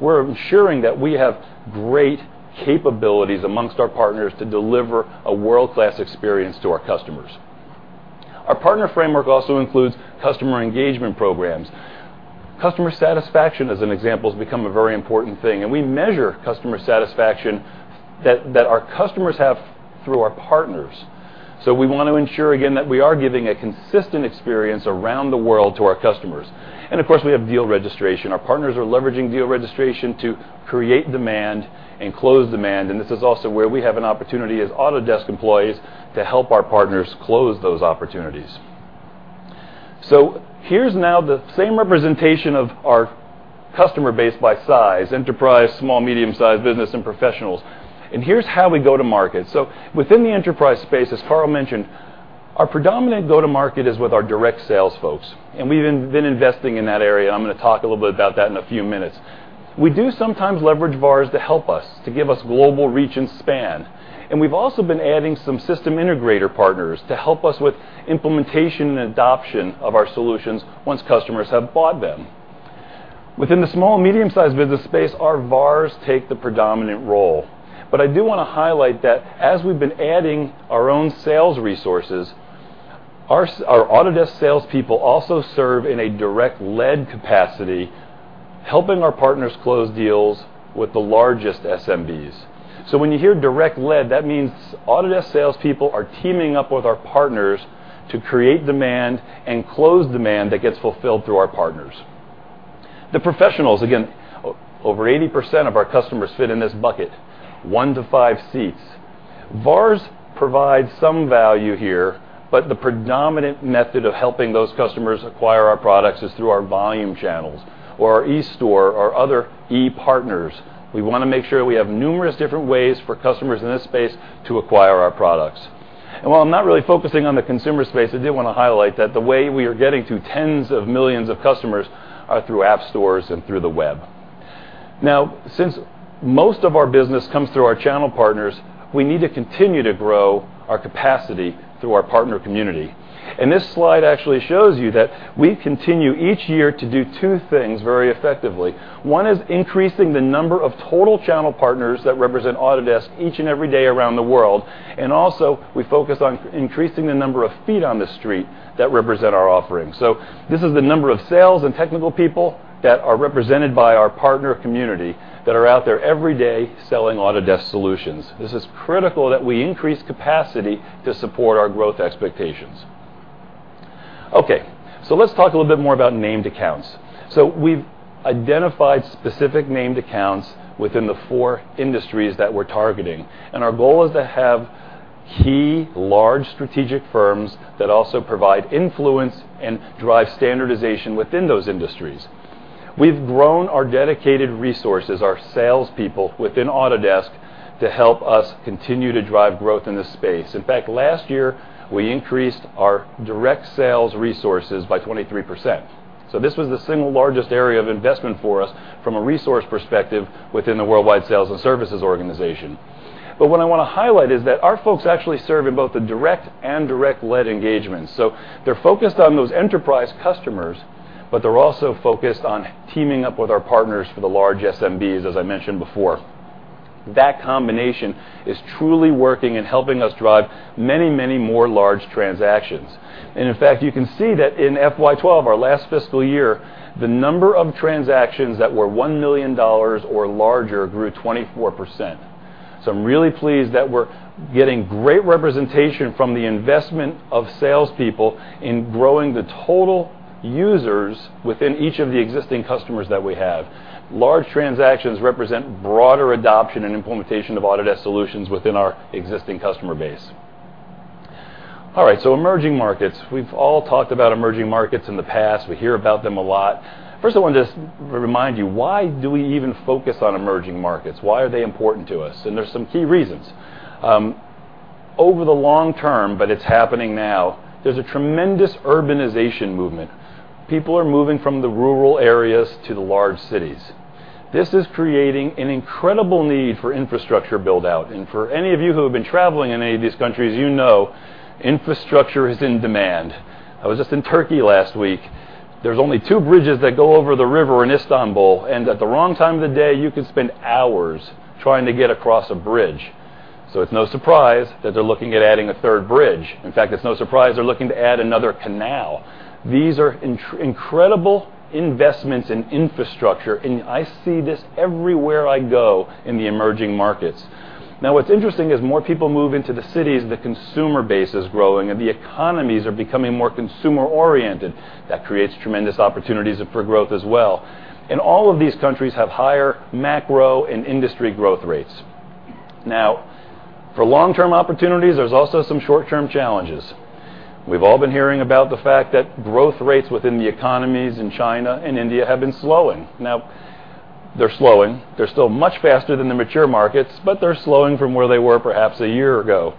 We're ensuring that we have great capabilities amongst our partners to deliver a world-class experience to our customers. Our partner framework also includes customer engagement programs. Customer satisfaction, as an example, has become a very important thing, and we measure customer satisfaction that our customers have through our partners. We want to ensure, again, that we are giving a consistent experience around the world to our customers. Of course, we have deal registration. Our partners are leveraging deal registration to create demand and close demand, and this is also where we have an opportunity as Autodesk employees to help our partners close those opportunities. Here's now the same representation of our customer base by size, enterprise, small, medium-sized business, and professionals. Here's how we go to market. Within the enterprise space, as Carl mentioned, our predominant go-to-market is with our direct sales folks, and we've been investing in that area. I'm going to talk a little bit about that in a few minutes. We do sometimes leverage VARs to help us, to give us global reach and span. We've also been adding some system integrator partners to help us with implementation and adoption of our solutions once customers have bought them. Within the small and medium-sized business space, our VARs take the predominant role. I do want to highlight that as we've been adding our own sales resources, our Autodesk salespeople also serve in a direct lead capacity, helping our partners close deals with the largest SMBs. When you hear direct lead, that means Autodesk salespeople are teaming up with our partners to create demand and close demand that gets fulfilled through our partners. The professionals, again, over 80% of our customers fit in this bucket, one to five seats. VARs provide some value here, the predominant method of helping those customers acquire our products is through our volume channels or our eStore or other ePartners. We want to make sure we have numerous different ways for customers in this space to acquire our products. While I'm not really focusing on the consumer space, I did want to highlight that the way we are getting to tens of millions of customers are through app stores and through the web. Since most of our business comes through our channel partners, we need to continue to grow our capacity through our partner community. This slide actually shows you that we continue each year to do two things very effectively. One is increasing the number of total channel partners that represent Autodesk each and every day around the world. Also, we focus on increasing the number of feet on the street that represent our offerings. This is the number of sales and technical people that are represented by our partner community that are out there every day selling Autodesk solutions. This is critical that we increase capacity to support our growth expectations. Let's talk a little bit more about named accounts. We've identified specific named accounts within the four industries that we're targeting, and our goal is to have key large strategic firms that also provide influence and drive standardization within those industries. We've grown our dedicated resources, our salespeople within Autodesk, to help us continue to drive growth in this space. In fact, last year, we increased our direct sales resources by 23%. This was the single largest area of investment for us from a resource perspective within the worldwide sales and services organization. What I want to highlight is that our folks actually serve in both the direct and direct-led engagements. They're focused on those enterprise customers, but they're also focused on teaming up with our partners for the large SMBs, as I mentioned before. That combination is truly working and helping us drive many, many more large transactions. In fact, you can see that in FY 2012, our last fiscal year, the number of transactions that were $1 million or larger grew 24%. I'm really pleased that we're getting great representation from the investment of salespeople in growing the total users within each of the existing customers that we have. Large transactions represent broader adoption and implementation of Autodesk solutions within our existing customer base. All right, emerging markets. We've all talked about emerging markets in the past. We hear about them a lot. First of all, I just remind you, why do we even focus on emerging markets? Why are they important to us? There's some key reasons. Over the long term, but it's happening now, there's a tremendous urbanization movement. People are moving from the rural areas to the large cities. This is creating an incredible need for infrastructure build-out. For any of you who have been traveling in any of these countries, you know infrastructure is in demand. I was just in Turkey last week. There's only two bridges that go over the river in Istanbul, and at the wrong time of the day, you could spend hours trying to get across a bridge. It's no surprise that they're looking at adding a third bridge. In fact, it's no surprise they're looking to add another canal. These are incredible investments in infrastructure, and I see this everywhere I go in the emerging markets. What's interesting is more people move into the cities, the consumer base is growing, and the economies are becoming more consumer-oriented. That creates tremendous opportunities for growth as well. All of these countries have higher macro and industry growth rates. For long-term opportunities, there's also some short-term challenges. We've all been hearing about the fact that growth rates within the economies in China and India have been slowing. They're slowing. They're still much faster than the mature markets, but they're slowing from where they were perhaps a year ago.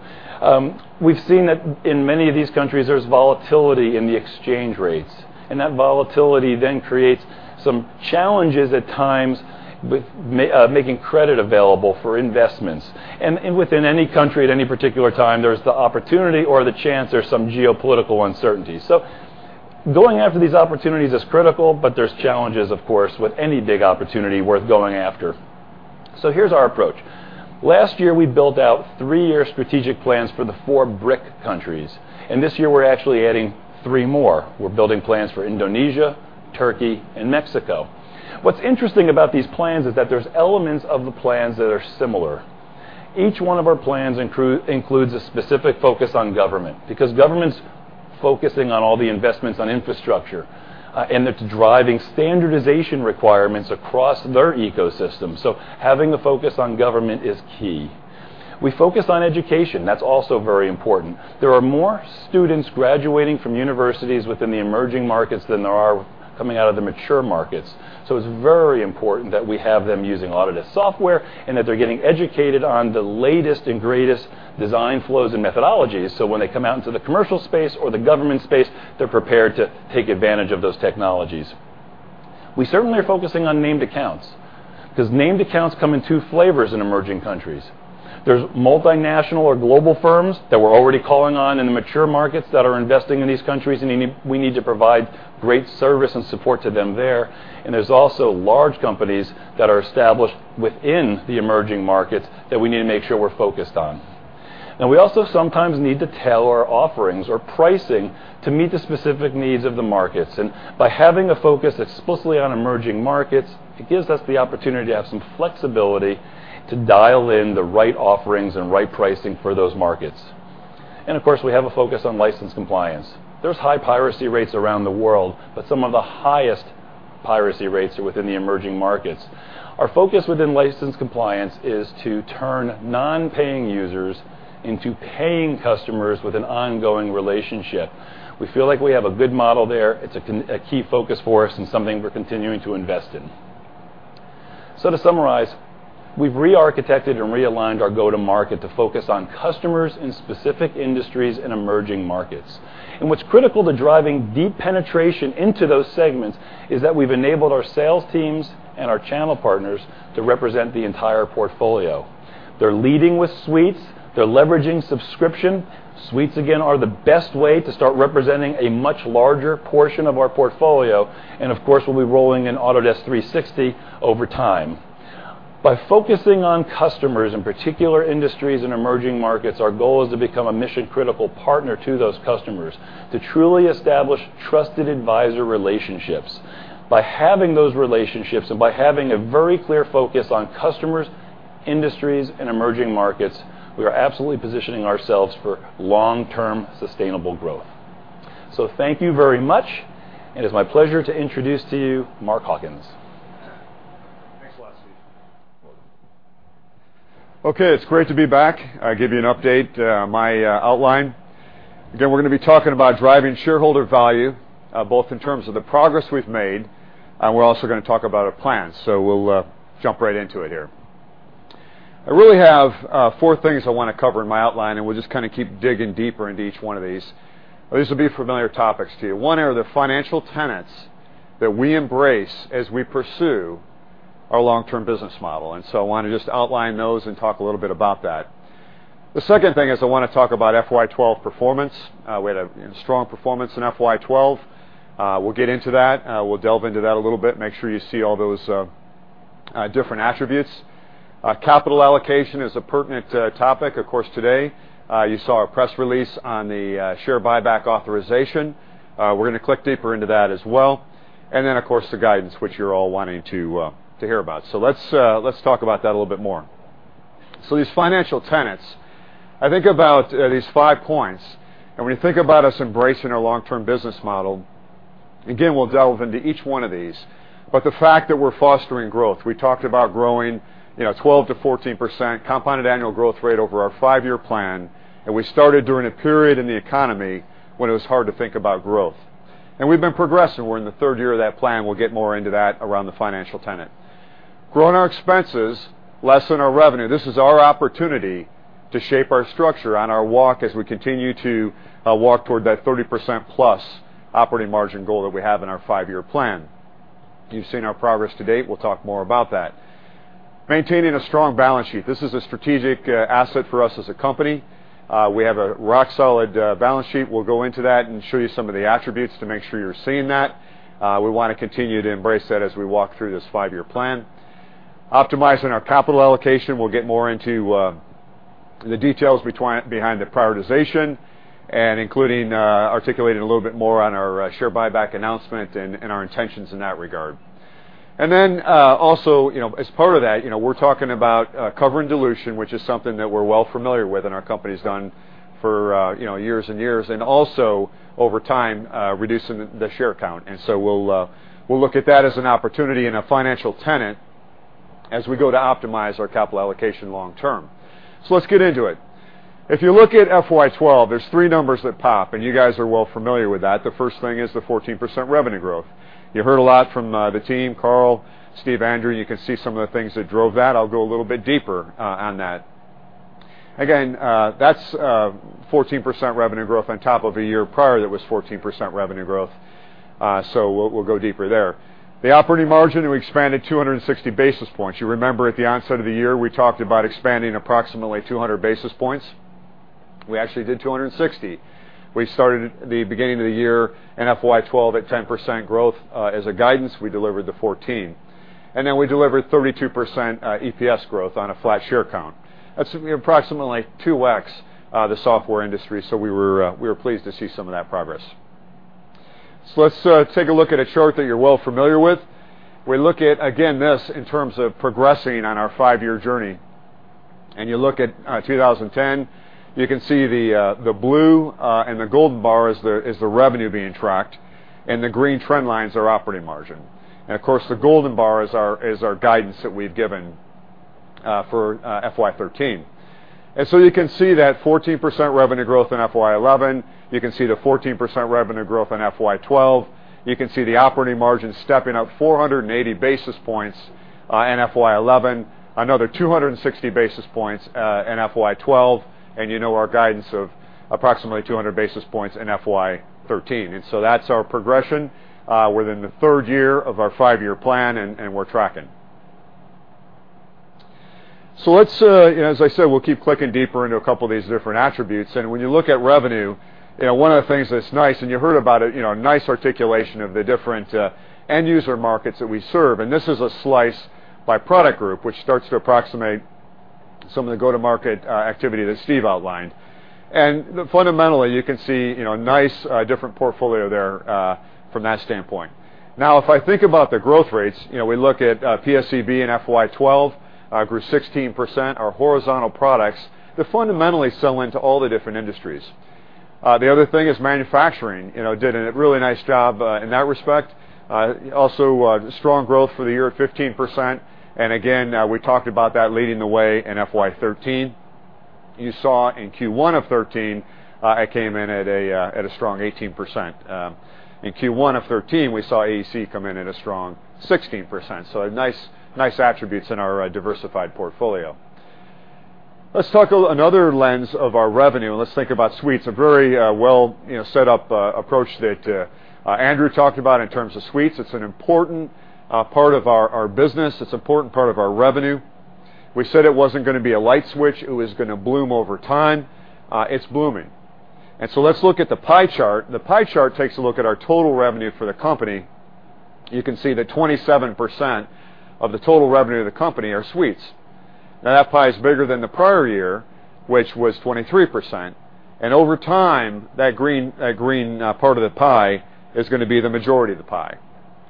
We've seen that in many of these countries, there's volatility in the exchange rates, and that volatility creates some challenges at times with making credit available for investments. Within any country, at any particular time, there's the opportunity or the chance there's some geopolitical uncertainty. Going after these opportunities is critical, but there's challenges, of course, with any big opportunity worth going after. Here's our approach. Last year, we built out three-year strategic plans for the four BRIC countries, this year we're actually adding three more. We're building plans for Indonesia, Turkey, and Mexico. What's interesting about these plans is that there's elements of the plans that are similar. Each one of our plans includes a specific focus on government, because government's focusing on all the investments on infrastructure, and it's driving standardization requirements across their ecosystem. Having a focus on government is key. We focus on education. That's also very important. There are more students graduating from universities within the emerging markets than there are coming out of the mature markets. It's very important that we have them using Autodesk software and that they're getting educated on the latest and greatest design flows and methodologies, so when they come out into the commercial space or the government space, they're prepared to take advantage of those technologies. We certainly are focusing on named accounts, because named accounts come in two flavors in emerging countries. There's multinational or global firms that we're already calling on in the mature markets that are investing in these countries, and we need to provide great service and support to them there. There's also large companies that are established within the emerging markets that we need to make sure we're focused on. Now, we also sometimes need to tailor our offerings or pricing to meet the specific needs of the markets. By having a focus explicitly on emerging markets, it gives us the opportunity to have some flexibility to dial in the right offerings and right pricing for those markets. Of course, we have a focus on license compliance. There's high piracy rates around the world, but some of the highest piracy rates are within the emerging markets. Our focus within license compliance is to turn non-paying users into paying customers with an ongoing relationship. We feel like we have a good model there. It's a key focus for us and something we're continuing to invest in. To summarize, we've re-architected and realigned our go-to-market to focus on customers in specific industries and emerging markets. What's critical to driving deep penetration into those segments is that we've enabled our sales teams and our channel partners to represent the entire portfolio. They're leading with suites. They're leveraging subscription. Suites, again, are the best way to start representing a much larger portion of our portfolio. Of course, we'll be rolling in Autodesk 360 over time. By focusing on customers in particular industries and emerging markets, our goal is to become a mission-critical partner to those customers to truly establish trusted advisor relationships. By having those relationships and by having a very clear focus on customer industries and emerging markets, we are absolutely positioning ourselves for long-term sustainable growth. Thank you very much, and it's my pleasure to introduce to you Mark Hawkins. Thanks a lot, Steve. It's great to be back. I'll give you an update, my outline. We're going to be talking about driving shareholder value, both in terms of the progress we've made, and we're also going to talk about our plans. We'll jump right into it here. I really have four things I want to cover in my outline, and we'll just keep digging deeper into each one of these. These will be familiar topics to you. One are the financial tenets that we embrace as we pursue our long-term business model, and I want to just outline those and talk a little bit about that. The second thing is I want to talk about FY 2012 performance. We had a strong performance in FY 2012. We'll get into that. We'll delve into that a little bit, make sure you see all those different attributes. Capital allocation is a pertinent topic, of course, today. You saw our press release on the share buyback authorization. We're going to click deeper into that as well. Then, of course, the guidance, which you're all wanting to hear about. Let's talk about that a little bit more. These financial tenets, I think about these five points, and when you think about us embracing our long-term business model, again, we'll delve into each one of these, but the fact that we're fostering growth, we talked about growing 12%-14% compounded annual growth rate over our five-year plan, and we started during a period in the economy when it was hard to think about growth. We've been progressing. We're in the third year of that plan. We'll get more into that around the financial tenet. Growing our expenses less than our revenue, this is our opportunity to shape our structure on our walk as we continue to walk toward that 30%+ operating margin goal that we have in our five-year plan. You've seen our progress to date. We'll talk more about that. Maintaining a strong balance sheet. This is a strategic asset for us as a company. We have a rock-solid balance sheet. We'll go into that and show you some of the attributes to make sure you're seeing that. We want to continue to embrace that as we walk through this five-year plan. Optimizing our capital allocation. We'll get more into the details behind the prioritization, including articulating a little bit more on our share buyback announcement and our intentions in that regard. Also, as part of that, we're talking about covering dilution, which is something that we're well familiar with and our company's done for years and years, and also over time, reducing the share count. So we'll look at that as an opportunity and a financial tenet as we go to optimize our capital allocation long term. Let's get into it. If you look at FY 2012, there's three numbers that pop, and you guys are well familiar with that. The first thing is the 14% revenue growth. You heard a lot from the team, Carl, Steve, Andrew. You can see some of the things that drove that. I'll go a little bit deeper on that. Again, that's 14% revenue growth on top of a year prior that was 14% revenue growth. We'll go deeper there. The operating margin, we expanded 260 basis points. You remember at the onset of the year, we talked about expanding approximately 200 basis points. We actually did 260. We started the beginning of the year in FY 2012 at 10% growth. As a guidance, we delivered the 14, we delivered 32% EPS growth on a flat share count. That's approximately 2x the software industry, we were pleased to see some of that progress. Let's take a look at a chart that you're well familiar with. We look at, again, this in terms of progressing on our five-year journey, and you look at 2010, you can see the blue and the golden bar is the revenue being tracked, and the green trend lines are operating margin. Of course, the golden bar is our guidance that we've given for FY 2013. You can see that 14% revenue growth in FY 2011. You can see the 14% revenue growth in FY 2012. You can see the operating margin stepping up 480 basis points in FY 2011, another 260 basis points in FY 2012, and you know our guidance of approximately 200 basis points in FY 2013. That's our progression. We're in the third year of our five-year plan, we're tracking. Let's, as I said, we'll keep clicking deeper into a couple of these different attributes, when you look at revenue, one of the things that's nice, and you heard about it, a nice articulation of the different end-user markets that we serve. This is a slice by product group, which starts to approximate some of the go-to-market activity that Steve outlined. Fundamentally, you can see a nice different portfolio there from that standpoint. If I think about the growth rates, we look at PSEB in FY 2012 grew 16%, our horizontal products that fundamentally sell into all the different industries. The other thing is manufacturing did a really nice job in that respect. Strong growth for the year at 15%, again, we talked about that leading the way in FY 2013. You saw in Q1 of 2013, it came in at a strong 18%. In Q1 of 2013, we saw AEC come in at a strong 16%, nice attributes in our diversified portfolio. Let's talk another lens of our revenue. Let's think about suites, a very well set up approach that Andrew talked about in terms of suites. It's an important part of our business. It's an important part of our revenue. We said it wasn't going to be a light switch. It was going to bloom over time. It's blooming. Let's look at the pie chart. The pie chart takes a look at our total revenue for the company. You can see that 27% of the total revenue of the company are suites. That pie is bigger than the prior year, which was 23%, and over time, that green part of the pie is going to be the majority of the pie.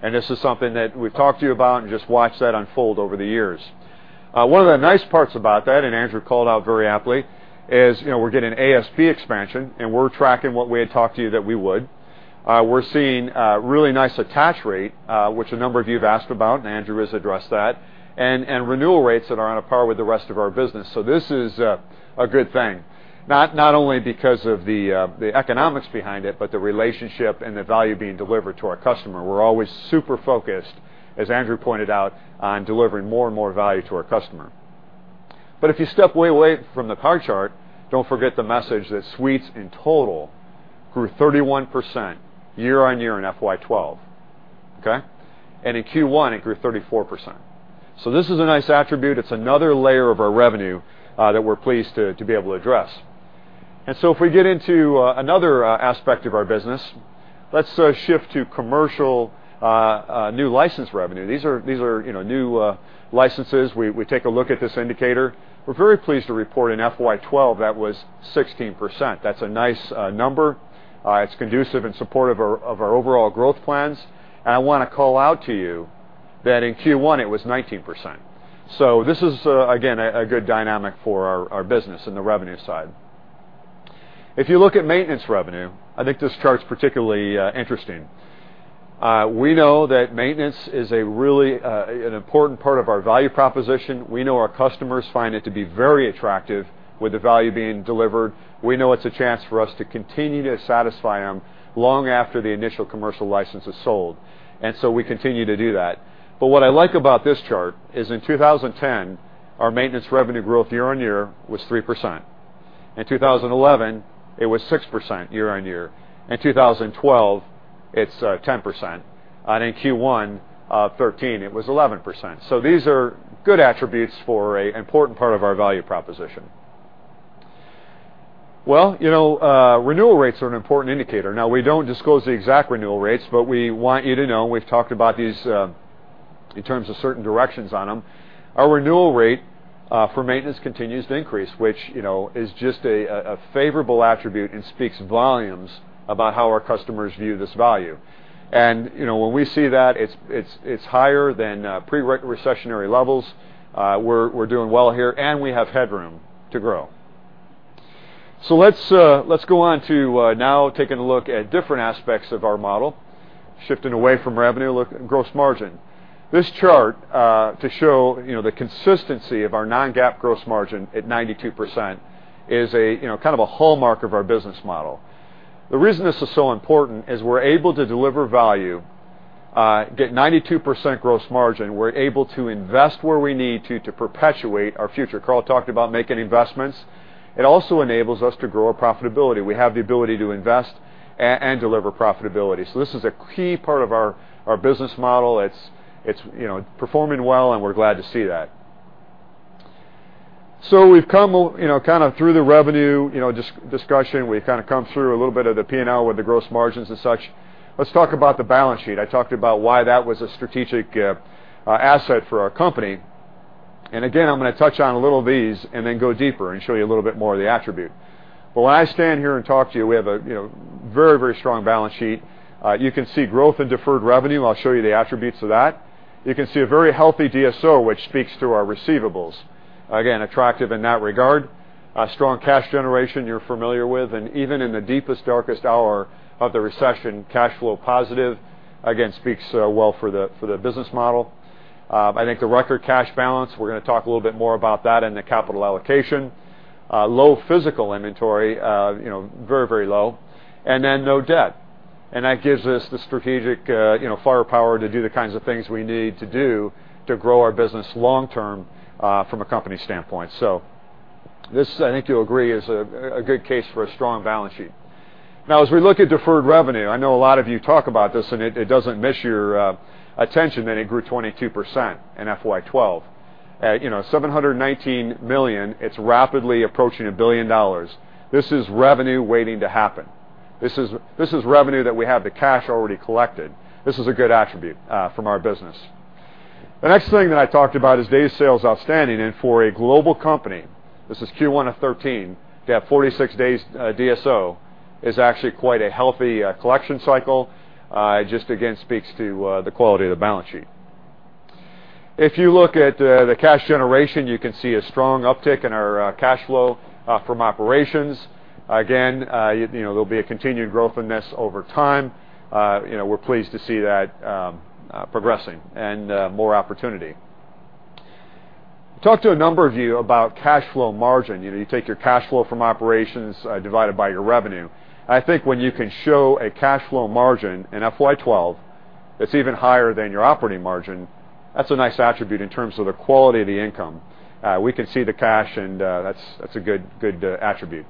This is something that we've talked to you about and just watched that unfold over the years. One of the nice parts about that, and Andrew called out very aptly, is we're getting ASP expansion, and we're tracking what we had talked to you that we would. We're seeing a really nice attach rate, which a number of you have asked about, and Andrew has addressed that, and renewal rates that are on par with the rest of our business. This is a good thing, not only because of the economics behind it, but the relationship and the value being delivered to our customer. We're always super focused, as Andrew pointed out, on delivering more and more value to our customer. If you step way from the pie chart, don't forget the message that suites in total grew 31% year-on-year in FY 2012. Okay? In Q1, it grew 34%. This is a nice attribute. It's another layer of our revenue that we're pleased to be able to address. If we get into another aspect of our business, let's shift to commercial new license revenue. These are new licenses. We take a look at this indicator. We're very pleased to report in FY 2012 that was 16%. That's a nice number. It's conducive and supportive of our overall growth plans. I want to call out to you that in Q1, it was 19%. This is, again, a good dynamic for our business in the revenue side. If you look at maintenance revenue, I think this chart is particularly interesting. We know that maintenance is a really important part of our value proposition. We know our customers find it to be very attractive with the value being delivered. We know it's a chance for us to continue to satisfy them long after the initial commercial license is sold, we continue to do that. What I like about this chart is in 2010, our maintenance revenue growth year-on-year was 3%. In 2011, it was 6% year-on-year. In 2012, it's 10%, and in Q1 of 2013, it was 11%. These are good attributes for an important part of our value proposition. Renewal rates are an important indicator. We don't disclose the exact renewal rates, but we want you to know, we've talked about these in terms of certain directions on them. Our renewal rate for maintenance continues to increase, which is just a favorable attribute and speaks volumes about how our customers view this value. When we see that it's higher than pre-recessionary levels, we're doing well here, and we have headroom to grow. Let's go on to now taking a look at different aspects of our model, shifting away from revenue, look at gross margin. This chart to show the consistency of our non-GAAP gross margin at 92% is a hallmark of our business model. The reason this is so important is we're able to deliver value, get 92% gross margin. We're able to invest where we need to perpetuate our future. Carl talked about making investments. It also enables us to grow our profitability. We have the ability to invest and deliver profitability. This is a key part of our business model. It's performing well, and we're glad to see that. We've come through the revenue discussion. We've come through a little bit of the P&L with the gross margins and such. Let's talk about the balance sheet. I talked about why that was a strategic asset for our company. Again, I'm going to touch on a little of these and then go deeper and show you a little bit more of the attribute. When I stand here and talk to you, we have a very strong balance sheet. You can see growth in deferred revenue. I'll show you the attributes of that. You can see a very healthy DSO, which speaks to our receivables. Again, attractive in that regard. Strong cash generation you're familiar with, even in the deepest, darkest hour of the recession, cash flow positive, again, speaks well for the business model. I think the record cash balance, we're going to talk a little bit more about that in the capital allocation. Low physical inventory, very low, then no debt. That gives us the strategic firepower to do the kinds of things we need to do to grow our business long term from a company standpoint. This, I think you'll agree, is a good case for a strong balance sheet. As we look at deferred revenue, I know a lot of you talk about this, it doesn't miss your attention that it grew 22% in FY 2012. At $719 million, it's rapidly approaching $1 billion. This is revenue waiting to happen. This is revenue that we have the cash already collected. This is a good attribute from our business. The next thing that I talked about is days sales outstanding, for a global company, this is Q1 of 2013, to have 46 days DSO is actually quite a healthy collection cycle. It just, again, speaks to the quality of the balance sheet. If you look at the cash generation, you can see a strong uptick in our cash flow from operations. There'll be a continued growth in this over time. We're pleased to see that progressing and more opportunity. Talked to a number of you about cash flow margin. You take your cash flow from operations divided by your revenue. I think when you can show a cash flow margin in FY 2012 that's even higher than your operating margin, that's a nice attribute in terms of the quality of the income. We can see the cash, that's a good attribute.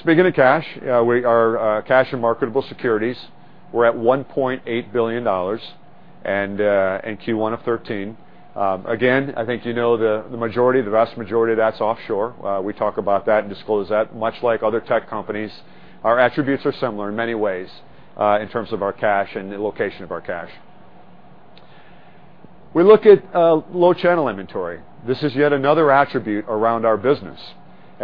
Speaking of cash, our cash and marketable securities were at $1.8 billion in Q1 of 2013. I think you know the vast majority of that's offshore. We talk about that and disclose that. Much like other tech companies, our attributes are similar in many ways in terms of our cash and the location of our cash. We look at low channel inventory. This is yet another attribute around our business,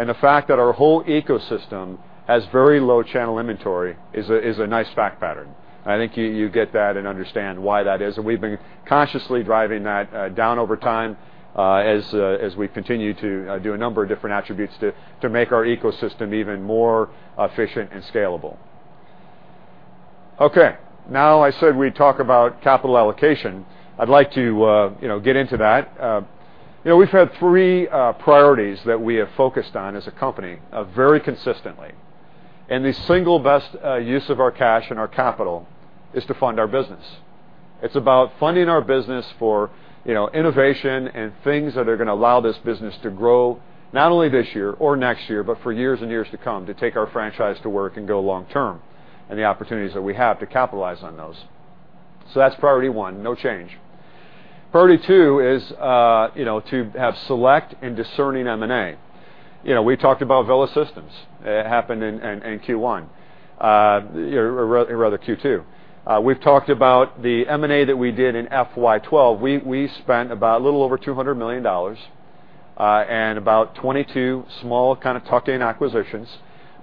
the fact that our whole ecosystem has very low channel inventory is a nice fact pattern. I think you get that and understand why that is. We've been consciously driving that down over time as we continue to do a number of different attributes to make our ecosystem even more efficient and scalable. Now I said we'd talk about capital allocation. I'd like to get into that. We've had three priorities that we have focused on as a company very consistently. The single best use of our cash and our capital is to fund our business. It's about funding our business for innovation and things that are going to allow this business to grow, not only this year or next year, but for years and years to come to take our franchise to where it can go long term, and the opportunities that we have to capitalize on those. That's priority one, no change. Priority two is to have select and discerning M&A. We talked about Vela Systems. It happened in Q1, or rather Q2. We've talked about the M&A that we did in FY 2012. We spent about a little over $200 million and about 22 small kind of tuck-in acquisitions,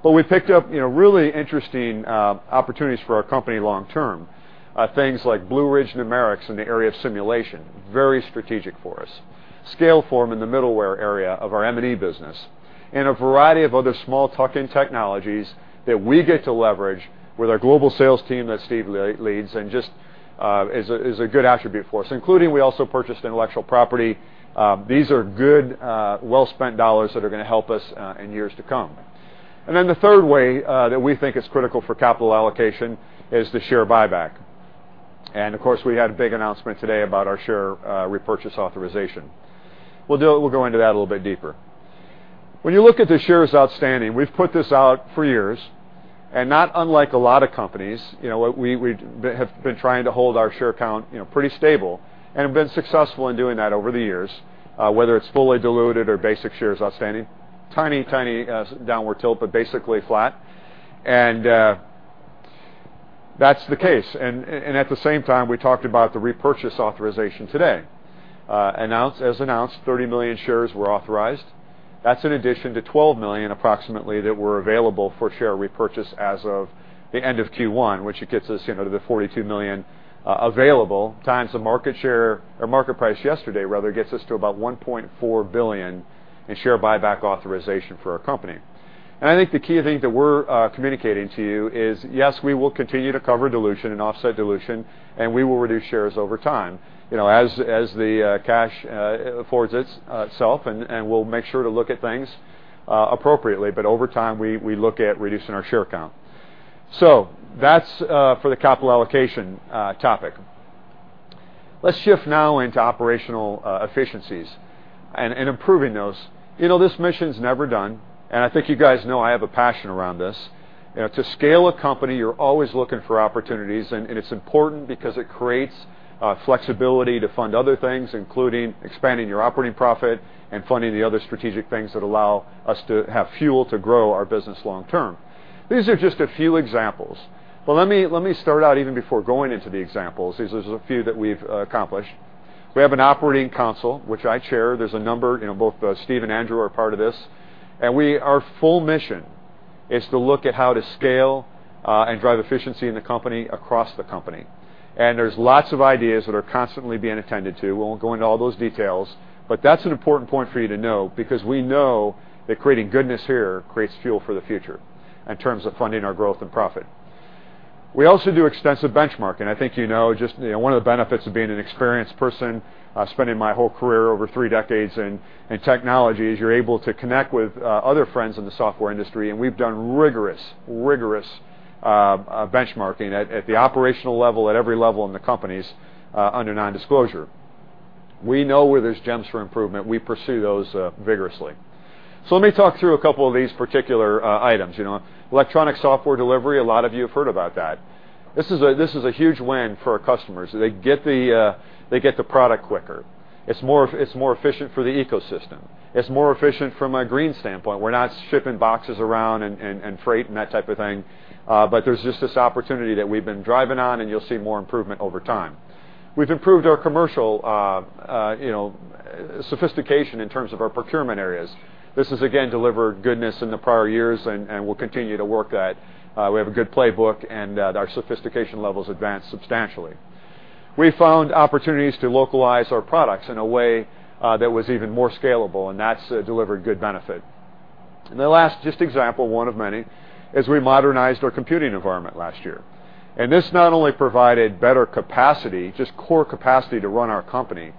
but we picked up really interesting opportunities for our company long term. Things like Blue Ridge Numerics in the area of simulation, very strategic for us. Scaleform in the middleware area of our M&E business, and a variety of other small tuck-in technologies that we get to leverage with our global sales team that Steve leads and just is a good attribute for us, including we also purchased intellectual property. These are good, well-spent dollars that are going to help us in years to come. Then the third way that we think is critical for capital allocation is the share buyback. Of course, we had a big announcement today about our share repurchase authorization. We'll go into that a little bit deeper. When you look at the shares outstanding, we've put this out for years. Not unlike a lot of companies, we have been trying to hold our share count pretty stable and have been successful in doing that over the years, whether it's fully diluted or basic shares outstanding, tiny downward tilt, but basically flat. That's the case. At the same time, we talked about the repurchase authorization today. As announced, 30 million shares were authorized. That's in addition to 12 million approximately that were available for share repurchase as of the end of Q1, which it gets us to the 42 million available times the market share, or market price yesterday, rather, gets us to about $1.4 billion in share buyback authorization for our company. I think the key thing that we're communicating to you is, yes, we will continue to cover dilution and offset dilution, and we will reduce shares over time. As the cash affords itself, and we'll make sure to look at things appropriately, but over time, we look at reducing our share count. That's for the capital allocation topic. Let's shift now into operational efficiencies and improving those. This mission's never done, I think you guys know I have a passion around this. To scale a company, you're always looking for opportunities. It's important because it creates flexibility to fund other things, including expanding your operating profit and funding the other strategic things that allow us to have fuel to grow our business long term. These are just a few examples. Let me start out even before going into the examples. These are a few that we've accomplished. We have an operating council, which I chair. There's a number, both Steve and Andrew are part of this. Our full mission is to look at how to scale and drive efficiency in the company across the company. There's lots of ideas that are constantly being attended to. We won't go into all those details. That's an important point for you to know because we know that creating goodness here creates fuel for the future in terms of funding our growth and profit. We also do extensive benchmarking. I think you know just one of the benefits of being an experienced person, spending my whole career over 3 decades in technology is you're able to connect with other friends in the software industry. We've done rigorous benchmarking at the operational level at every level in the companies under non-disclosure. We know where there's gems for improvement. We pursue those vigorously. Let me talk through a couple of these particular items. Electronic software delivery, a lot of you have heard about that. This is a huge win for our customers. They get the product quicker. It's more efficient for the ecosystem. It's more efficient from a green standpoint. We're not shipping boxes around and freight and that type of thing. There's just this opportunity that we've been driving on. You'll see more improvement over time. We've improved our commercial sophistication in terms of our procurement areas. This has again delivered goodness in the prior years. We'll continue to work that. We have a good playbook, and our sophistication level's advanced substantially. We found opportunities to localize our products in a way that was even more scalable. That's delivered good benefit. The last just example, one of many, is we modernized our computing environment last year. This not only provided better capacity, just core capacity to run our company,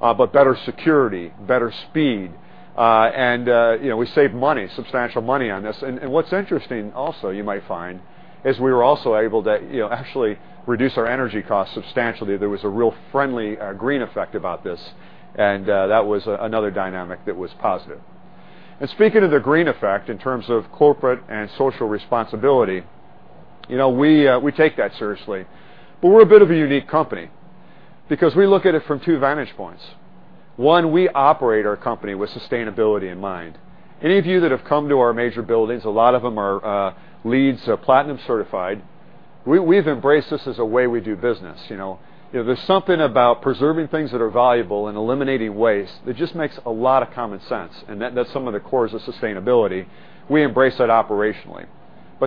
but better security, better speed, and we saved money, substantial money on this. What's interesting also you might find is we were also able to actually reduce our energy costs substantially. There was a real friendly green effect about this. That was another dynamic that was positive. Speaking of the green effect in terms of corporate and social responsibility, we take that seriously. We're a bit of a unique company because we look at it from two vantage points. One, we operate our company with sustainability in mind. Any of you that have come to our major buildings, a lot of them are LEED platinum certified. We've embraced this as a way we do business. There's something about preserving things that are valuable and eliminating waste that just makes a lot of common sense. That's some of the cores of sustainability. We embrace that operationally.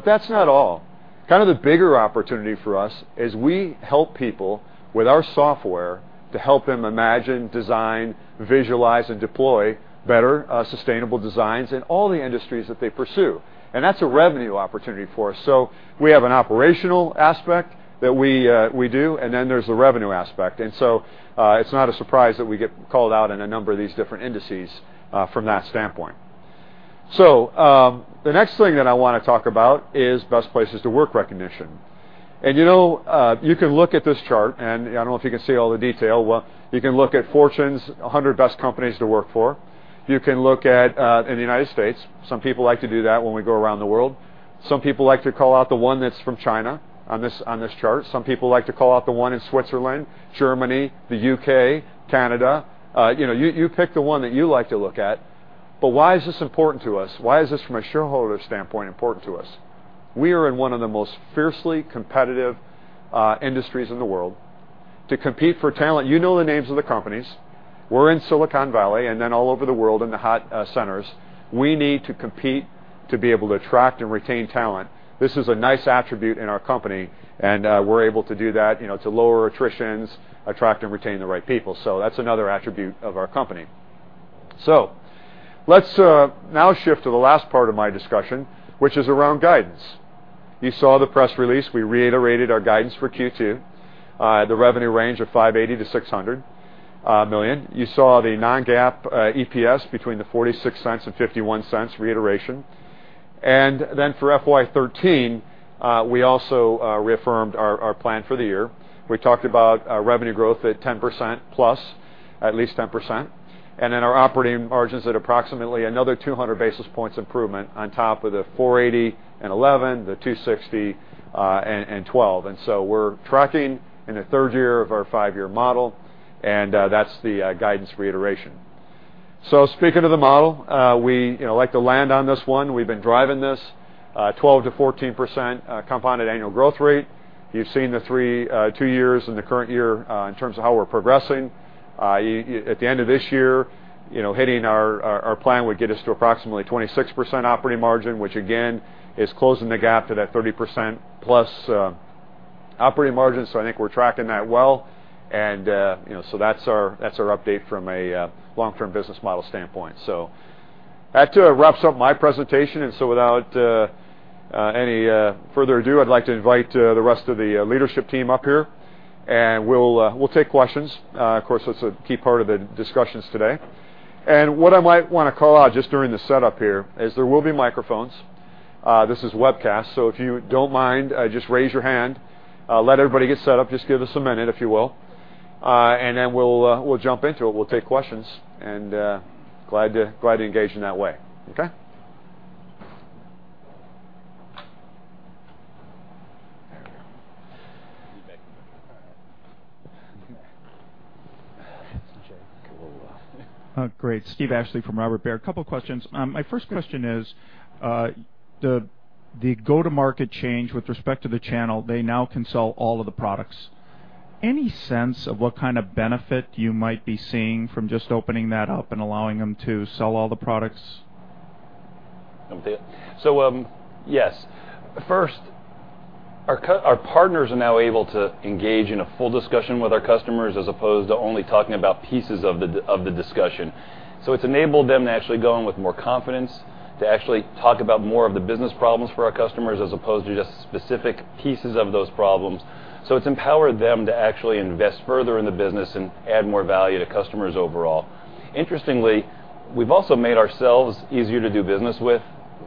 That's not all. The bigger opportunity for us is we help people with our software to help them imagine, design, visualize, and deploy better sustainable designs in all the industries that they pursue. That's a revenue opportunity for us. We have an operational aspect that we do, then there's the revenue aspect. It's not a surprise that we get called out in a number of these different indices from that standpoint. The next thing that I want to talk about is Best Places to Work recognition. You can look at this chart, and I don't know if you can see all the detail. Well, you can look at Fortune 100 Best Companies to Work For. You can look at, in the U.S., some people like to do that when we go around the world. Some people like to call out the one that's from China on this chart. Some people like to call out the one in Switzerland, Germany, the U.K., Canada. You pick the one that you like to look at. Why is this important to us? Why is this from a shareholder standpoint important to us? We are in one of the most fiercely competitive industries in the world. To compete for talent, you know the names of the companies. We're in Silicon Valley, then all over the world in the hot centers. We need to compete to be able to attract and retain talent. This is a nice attribute in our company, we're able to do that, to lower attritions, attract and retain the right people. That's another attribute of our company. Let's now shift to the last part of my discussion, which is around guidance. You saw the press release. We reiterated our guidance for Q2, the revenue range of $580 million-$600 million. You saw the non-GAAP EPS between the $0.46 and $0.51 reiteration. Then for FY 2013, we also reaffirmed our plan for the year. We talked about revenue growth at 10%+, at least 10%. Then our operating margins at approximately another 200 basis points improvement on top of the 480 in FY 2011, the 260 in FY 2012. We're tracking in the third year of our five-year model, that's the guidance reiteration. Speaking of the model, we like to land on this one. We've been driving this 12%-14% compounded annual growth rate. You've seen the two years and the current year in terms of how we're progressing. At the end of this year, hitting our plan would get us to approximately 26% operating margin, which again, is closing the gap to that 30%+ operating margin. I think we're tracking that well. That's our update from a long-term business model standpoint. That wraps up my presentation, without any further ado, I'd like to invite the rest of the leadership team up here, we'll take questions. That's a key part of the discussions today. What I might want to call out just during the setup here is there will be microphones. This is a webcast, if you don't mind, just raise your hand. Let everybody get set up. Just give us a minute, if you will. Then we'll jump into it. We'll take questions, glad to engage in that way. Okay. There we go. You bet. All right. It's a joke. A little. Great. Steve Ashley from Robert Baird, couple questions. My first question is, the go-to-market change with respect to the channel, they now can sell all of the products. Any sense of what kind of benefit you might be seeing from just opening that up and allowing them to sell all the products? Want me to, yes. First, our partners are now able to engage in a full discussion with our customers as opposed to only talking about pieces of the discussion. It's enabled them to actually go in with more confidence, to actually talk about more of the business problems for our customers, as opposed to just specific pieces of those problems. It's empowered them to actually invest further in the business and add more value to customers overall. Interestingly, we've also made ourselves easier to do business with.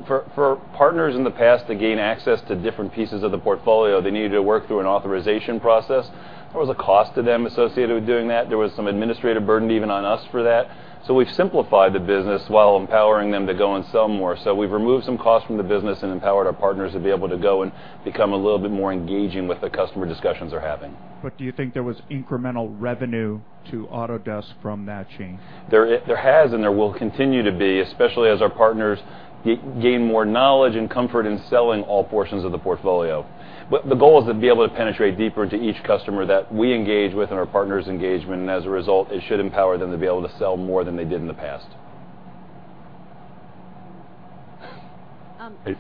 For partners in the past to gain access to different pieces of the portfolio, they needed to work through an authorization process. There was a cost to them associated with doing that. There was some administrative burden even on us for that. We've simplified the business while empowering them to go and sell more. We've removed some costs from the business and empowered our partners to be able to go and become a little bit more engaging with the customer discussions they're having. Do you think there was incremental revenue to Autodesk from that change? There has and there will continue to be, especially as our partners gain more knowledge and comfort in selling all portions of the portfolio. The goal is to be able to penetrate deeper into each customer that we engage with and our partners' engagement, and as a result, it should empower them to be able to sell more than they did in the past. I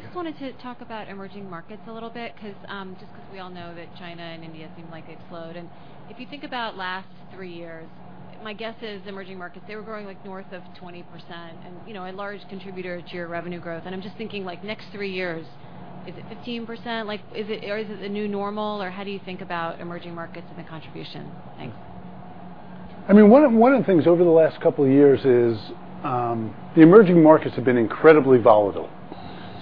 just wanted to talk about emerging markets a little bit, just because we all know that China and India seem like they've slowed. If you think about the last three years, my guess is emerging markets, they were growing north of 20% and a large contributor to your revenue growth. I'm just thinking, next three years, is it 15%? Is it the new normal, or how do you think about emerging markets and the contribution? Thanks. One of the things over the last couple of years is the emerging markets have been incredibly volatile.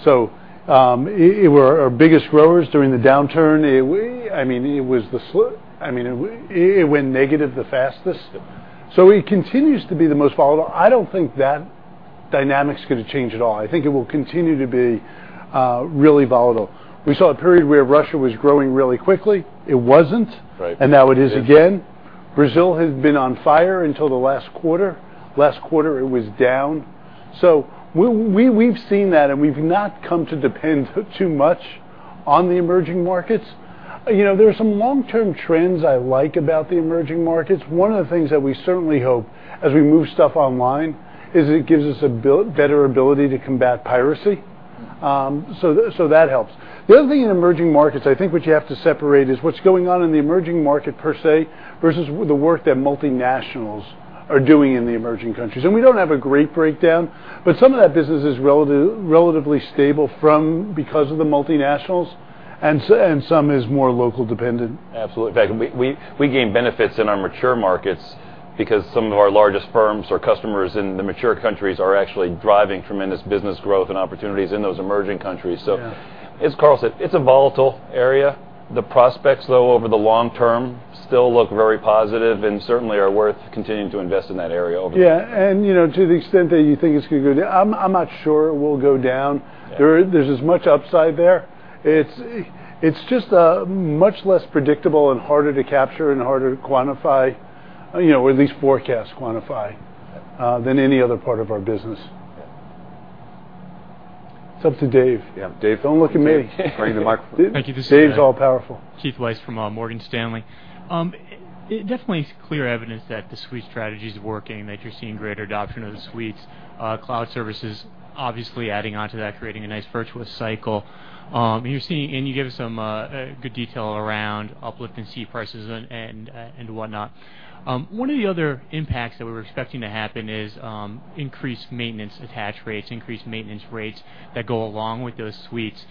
They were our biggest growers during the downturn. It went negative the fastest. It continues to be the most volatile. I don't think that dynamic's going to change at all. I think it will continue to be really volatile. We saw a period where Russia was growing really quickly. It wasn't. Right. Now it is again. Brazil has been on fire until the last quarter. Last quarter, it was down. We've seen that, and we've not come to depend too much on the emerging markets. There are some long-term trends I like about the emerging markets. One of the things that we certainly hope as we move stuff online is it gives us a better ability to combat piracy. That helps. The other thing in emerging markets, I think what you have to separate is what's going on in the emerging market per se versus the work that multinationals are doing in the emerging countries. We don't have a great breakdown, but some of that business is relatively stable from because of the multinationals, and some is more local dependent. Absolutely. In fact, we gain benefits in our mature markets because some of our largest firms or customers in the mature countries are actually driving tremendous business growth and opportunities in those emerging countries. Yeah. As Carl said, it's a volatile area. The prospects, though, over the long term still look very positive and certainly are worth continuing to invest in that area. Yeah. To the extent that you think it's going to go down, I'm not sure it will go down. Yeah. There's as much upside there. It's just much less predictable and harder to capture and harder to quantify, or at least forecast quantify, than any other part of our business. Yeah. It's up to Dave. Yeah, Dave. Don't look at me. Bring the microphone. Thank you. Dave's all-powerful Keith Weiss from Morgan Stanley. Definitely clear evidence that the suite strategy's working, that you're seeing greater adoption of the suites. Cloud services obviously adding onto that, creating a nice virtuous cycle. You're seeing, and you gave some good detail around uplift in seat prices and whatnot. One of the other impacts that we were expecting to happen is increased maintenance attach rates, increased maintenance rates that go along with those suites.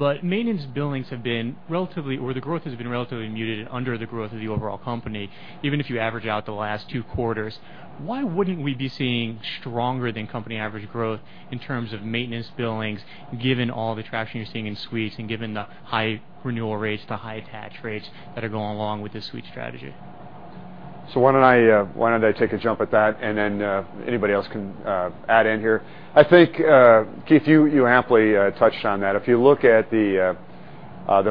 Yeah. Maintenance billings have been relatively, or the growth has been relatively muted under the growth of the overall company, even if you average out the last two quarters. Why wouldn't we be seeing stronger than company average growth in terms of maintenance billings, given all the traction you're seeing in suites and given the high renewal rates, the high attach rates that are going along with this suite strategy? Why don't I take a jump at that, and then anybody else can add in here. I think, Keith, you amply touched on that. If you look at the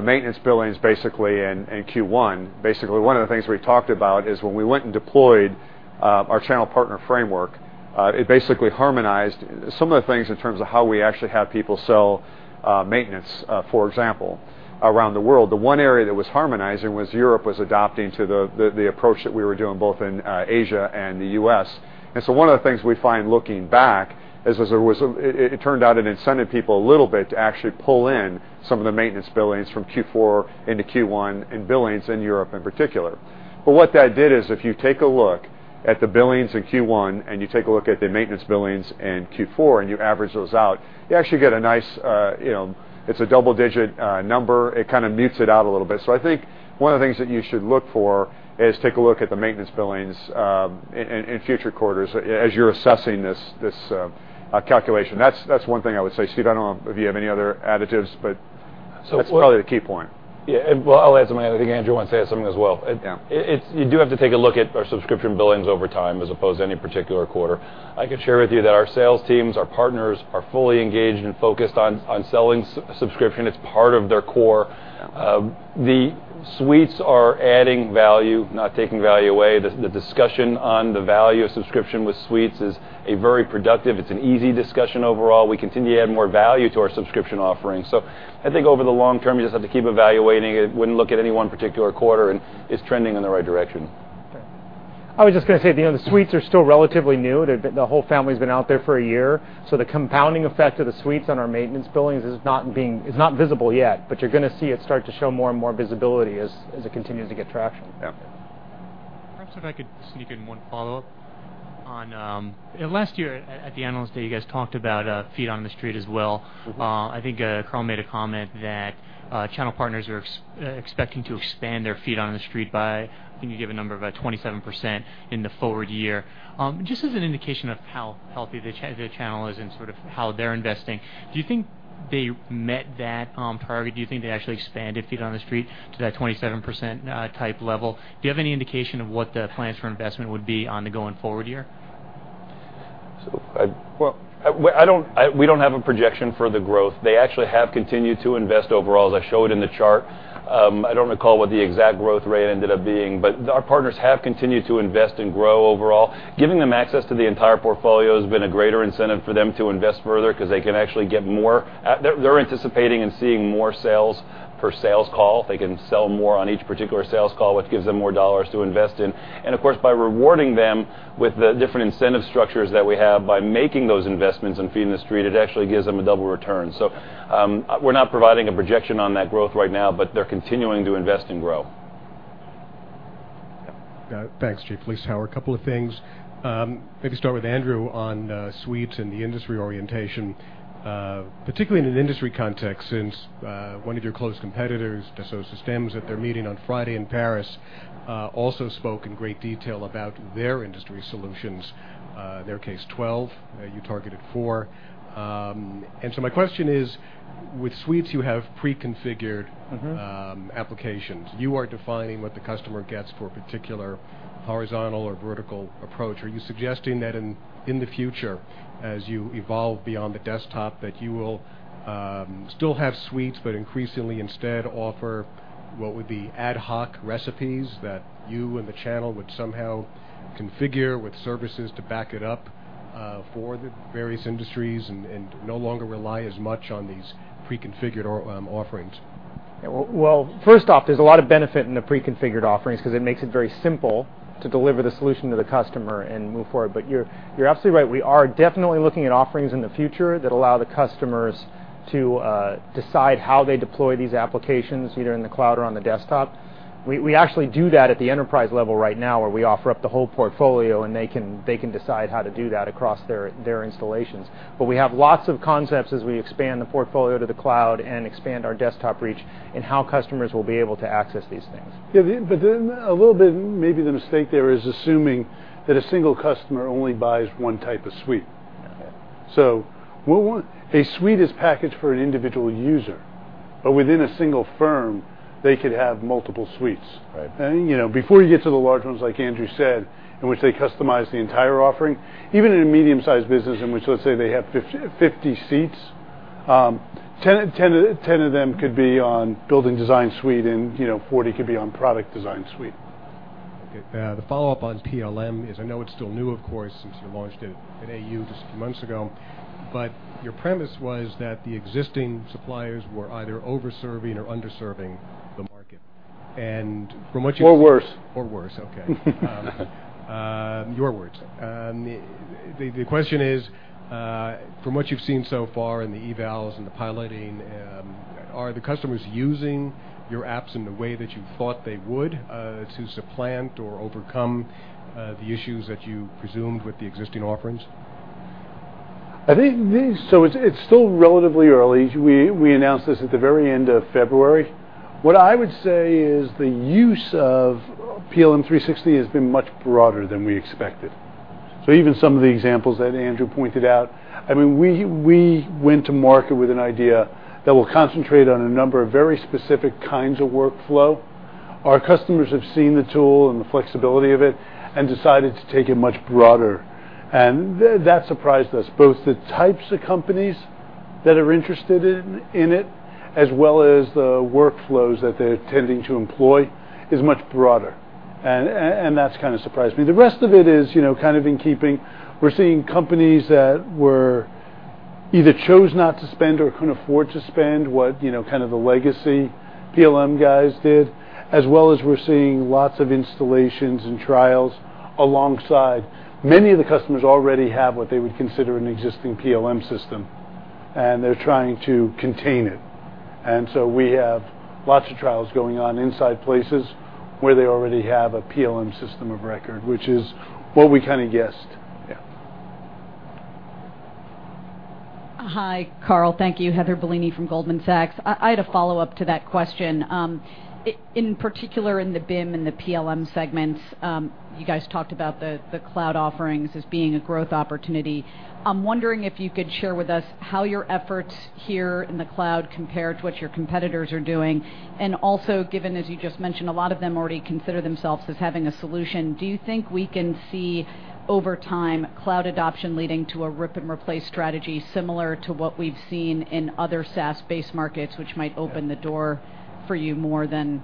maintenance billings basically in Q1, basically one of the things we talked about is when we went and deployed our channel partner framework, it basically harmonized some of the things in terms of how we actually have people sell maintenance, for example, around the world. The one area that was harmonizing was Europe was adopting to the approach that we were doing both in Asia and the U.S. One of the things we find looking back is, it turned out, it incented people a little bit to actually pull in some of the maintenance billings from Q4 into Q1, and billings in Europe in particular. What that did is, if you take a look at the billings in Q1, and you take a look at the maintenance billings in Q4, and you average those out, you actually get a nice double-digit number. It kind of mutes it out a little bit. I think one of the things that you should look for is take a look at the maintenance billings in future quarters as you're assessing this calculation. That's one thing I would say. Steve, I don't know if you have any other additives. what- That's probably the key point. Well, I'll add something. I think Andrew wants to add something as well. Yeah. You do have to take a look at our subscription billings over time as opposed to any particular quarter. I can share with you that our sales teams, our partners, are fully engaged and focused on selling subscription. It's part of their core. The suites are adding value, not taking value away. The discussion on the value of subscription with suites is very productive. It's an easy discussion overall. We continue to add more value to our subscription offerings. I think over the long term, you just have to keep evaluating it. Wouldn't look at any one particular quarter, and it's trending in the right direction. Okay. I was just going to say, the suites are still relatively new. The whole family's been out there for one year, the compounding effect of the suites on our maintenance billings is not visible yet. You're going to see it start to show more and more visibility as it continues to get traction. Yeah. Perhaps if I could sneak in one follow-up. Last year at the Analyst Day, you guys talked about feet on the street as well. I think Carl made a comment that channel partners are expecting to expand their feet on the street by, I think you gave a number of 27% in the forward year. Just as an indication of how healthy the channel is and sort of how they're investing, do you think they met that target? Do you think they actually expanded feet on the street to that 27% type level? Do you have any indication of what the plans for investment would be on the going forward year? Well, we don't have a projection for the growth. They actually have continued to invest overall, as I showed in the chart. I don't recall what the exact growth rate ended up being, but our partners have continued to invest and grow overall. Giving them access to the entire portfolio has been a greater incentive for them to invest further because they can actually get more. They're anticipating and seeing more sales per sales call. They can sell more on each particular sales call, which gives them more dollars to invest in. Of course, by rewarding them with the different incentive structures that we have, by making those investments and feet in the street, it actually gives them a double return. We're not providing a projection on that growth right now, but they're continuing to invest and grow. Yeah. Thanks, Keith. At least how a couple of things. Maybe start with Andrew on suites and the industry orientation, particularly in an industry context, since one of your close competitors, Dassault Systèmes, at their meeting on Friday in Paris, also spoke in great detail about their industry solutions. Their case, 12. You targeted four. My question is, with suites, you have pre-configured- applications. You are defining what the customer gets for a particular horizontal or vertical approach. Are you suggesting that in the future, as you evolve beyond the desktop, that you will still have suites, but increasingly instead offer what would be ad hoc recipes that you and the channel would somehow configure with services to back it up? for the various industries and no longer rely as much on these pre-configured offerings. Well, first off, there's a lot of benefit in the pre-configured offerings because it makes it very simple to deliver the solution to the customer and move forward. You're absolutely right. We are definitely looking at offerings in the future that allow the customers to decide how they deploy these applications, either in the cloud or on the desktop. We actually do that at the enterprise level right now, where we offer up the whole portfolio, and they can decide how to do that across their installations. We have lots of concepts as we expand the portfolio to the cloud and expand our desktop reach in how customers will be able to access these things. Yeah. A little bit, maybe the mistake there is assuming that a single customer only buys one type of suite. Okay. A suite is packaged for an individual user. Within a single firm, they could have multiple suites. Right. Before you get to the large ones, like Andrew said, in which they customize the entire offering, even in a medium-sized business in which, let's say they have 50 seats, 10 of them could be on building design suite and 40 could be on product design suite. Okay. The follow-up on PLM is, I know it's still new, of course, since you launched it at AU just a few months ago, but your premise was that the existing suppliers were either over-serving or under-serving the market. From what you- Worse. Worse, okay. Your words. The question is, from what you've seen so far in the evals and the piloting, are the customers using your apps in the way that you thought they would, to supplant or overcome the issues that you presumed with the existing offerings? It's still relatively early. We announced this at the very end of February. What I would say is the use of PLM 360 has been much broader than we expected. Even some of the examples that Andrew pointed out, we went to market with an idea that we'll concentrate on a number of very specific kinds of workflow. Our customers have seen the tool and the flexibility of it and decided to take it much broader. That surprised us. Both the types of companies that are interested in it, as well as the workflows that they're tending to employ, is much broader. That's kind of surprised me. The rest of it is kind of in keeping. We're seeing companies that either chose not to spend or couldn't afford to spend what kind of the legacy PLM guys did, as well as we're seeing lots of installations and trials alongside. Many of the customers already have what they would consider an existing PLM system, and they're trying to contain it. We have lots of trials going on inside places where they already have a PLM system of record, which is what we kind of guessed. Yeah. Hi, Carl. Thank you. Heather Bellini from Goldman Sachs. I had a follow-up to that question. In particular, in the BIM and the PLM segments, you guys talked about the cloud offerings as being a growth opportunity. I'm wondering if you could share with us how your efforts here in the cloud compare to what your competitors are doing. Also, given, as you just mentioned, a lot of them already consider themselves as having a solution, do you think we can see, over time, cloud adoption leading to a rip-and-replace strategy similar to what we've seen in other SaaS-based markets, which might open the door for you more than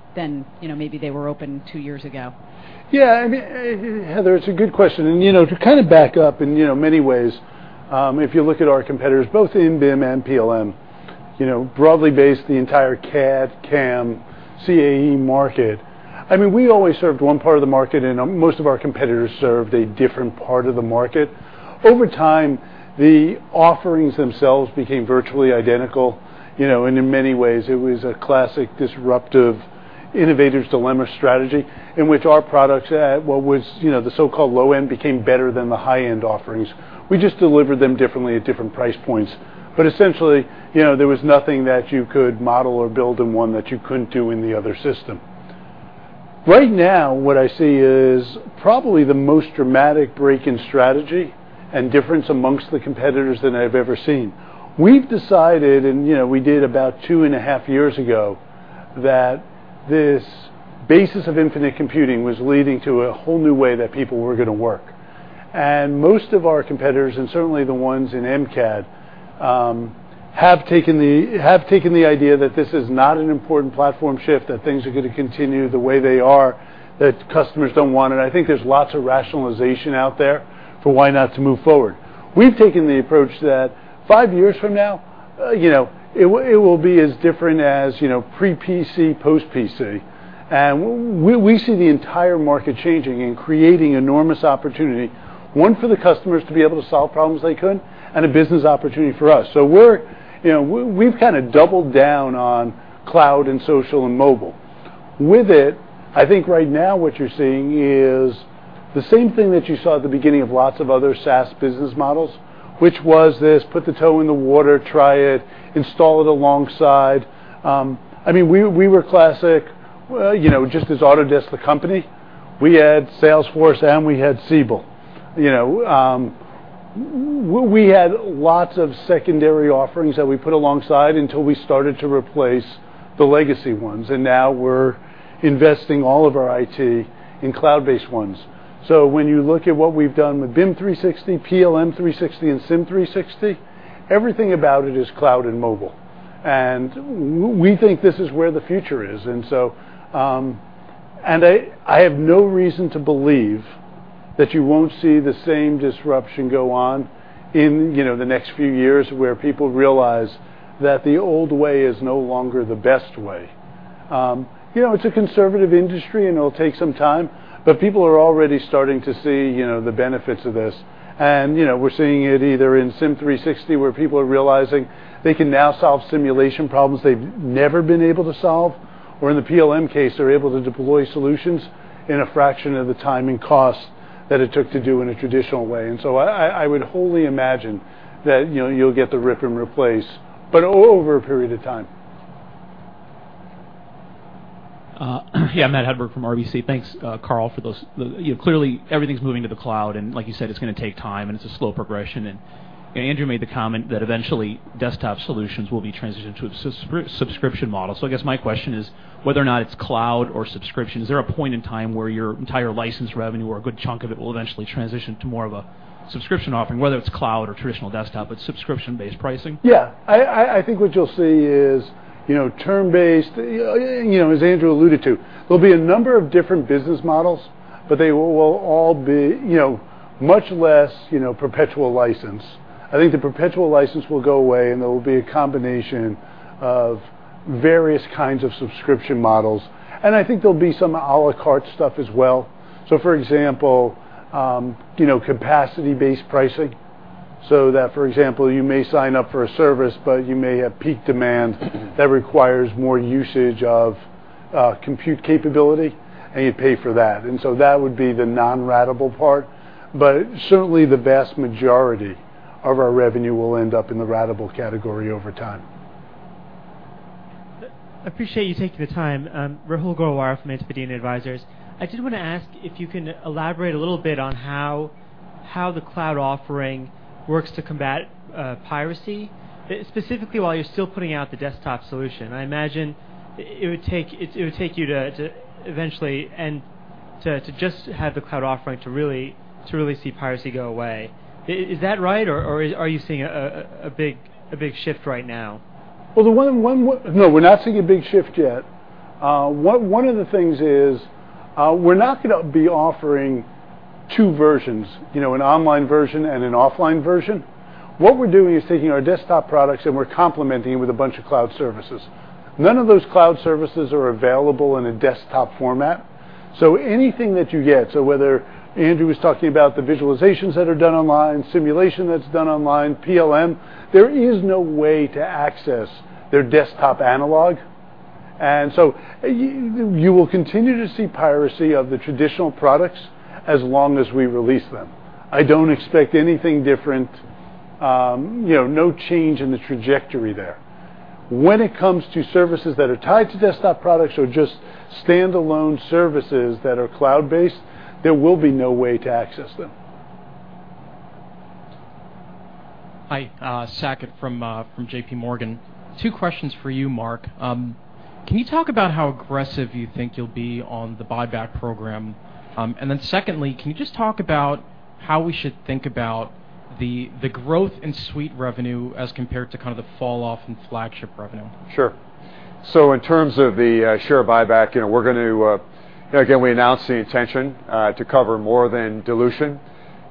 maybe they were open two years ago? Yeah. Heather, it's a good question. To kind of back up, in many ways, if you look at our competitors, both in BIM and PLM, broadly based, the entire CAD, CAM, CAE market. We always served one part of the market, and most of our competitors served a different part of the market. Over time, the offerings themselves became virtually identical. In many ways, it was a classic disruptive innovator's dilemma strategy in which our products at what was the so-called low-end became better than the high-end offerings. We just delivered them differently at different price points. Essentially, there was nothing that you could model or build in one that you couldn't do in the other system. Right now, what I see is probably the most dramatic break in strategy and difference amongst the competitors than I've ever seen. We've decided, we did about two and a half years ago, that this basis of infinite computing was leading to a whole new way that people were going to work. Most of our competitors, and certainly the ones in MCAD, have taken the idea that this is not an important platform shift, that things are going to continue the way they are, that customers don't want it. I think there's lots of rationalization out there for why not to move forward. We've taken the approach that five years from now, it will be as different as pre-PC, post-PC. We see the entire market changing and creating enormous opportunity. One, for the customers to be able to solve problems they couldn't, and a business opportunity for us. We've kind of doubled down on cloud and social and mobile. With it, I think right now what you're seeing is the same thing that you saw at the beginning of lots of other SaaS business models, which was this put the toe in the water, try it, install it alongside. We were classic, just as Autodesk the company, we had Salesforce and we had Siebel. We had lots of secondary offerings that we put alongside until we started to replace the legacy ones, and now we're investing all of our IT in cloud-based ones. When you look at what we've done with BIM 360, PLM 360, and Sim 360, everything about it is cloud and mobile. We think this is where the future is. I have no reason to believe that you won't see the same disruption go on in the next few years where people realize that the old way is no longer the best way. It's a conservative industry, and it'll take some time, but people are already starting to see the benefits of this. We're seeing it either in Sim 360, where people are realizing they can now solve simulation problems they've never been able to solve, or in the PLM case, they're able to deploy solutions in a fraction of the time and cost that it took to do in a traditional way. I would wholly imagine that you'll get the rip and replace, but over a period of time. Matthew Hedberg from RBC. Thanks, Carl, for those. Clearly, everything's moving to the cloud, and like you said, it's going to take time, and it's a slow progression. Andrew made the comment that eventually desktop solutions will be transitioned to a subscription model. I guess my question is whether or not it's cloud or subscription, is there a point in time where your entire license revenue or a good chunk of it will eventually transition to more of a subscription offering, whether it's cloud or traditional desktop, but subscription-based pricing? Yeah. I think what you'll see is term-based, as Andrew alluded to. There'll be a number of different business models, but they will all be much less perpetual license. I think the perpetual license will go away, and there will be a combination of various kinds of subscription models, and I think there'll be some à la carte stuff as well. So for example, capacity-based pricing, so that, for example, you may sign up for a service, but you may have peak demand that requires more usage of compute capability, and you pay for that. So that would be the non-ratable part. Certainly, the vast majority of our revenue will end up in the ratable category over time. Appreciate you taking the time. Rahul Gorawara from Antipodean Advisors. I just want to ask if you can elaborate a little bit on how the cloud offering works to combat piracy, specifically while you're still putting out the desktop solution. I imagine it would take you to eventually just have the cloud offering to really see piracy go away. Is that right, or are you seeing a big shift right now? Well, no, we're not seeing a big shift yet. One of the things is we're not going to be offering two versions, an online version and an offline version. What we're doing is taking our desktop products and we're complementing it with a bunch of cloud services. None of those cloud services are available in a desktop format. So anything that you get, so whether Andrew was talking about the visualizations that are done online, simulation that's done online, PLM, there is no way to access their desktop analog. You will continue to see piracy of the traditional products as long as we release them. I don't expect anything different, no change in the trajectory there. When it comes to services that are tied to desktop products or just standalone services that are cloud-based, there will be no way to access them. Hi, Saket from J.P. Morgan. Two questions for you, Mark. Can you talk about how aggressive you think you'll be on the buyback program? Secondly, can you just talk about how we should think about the growth in suite revenue as compared to kind of the fall-off in flagship revenue? Sure. In terms of the share buyback, again, we announced the intention to cover more than dilution.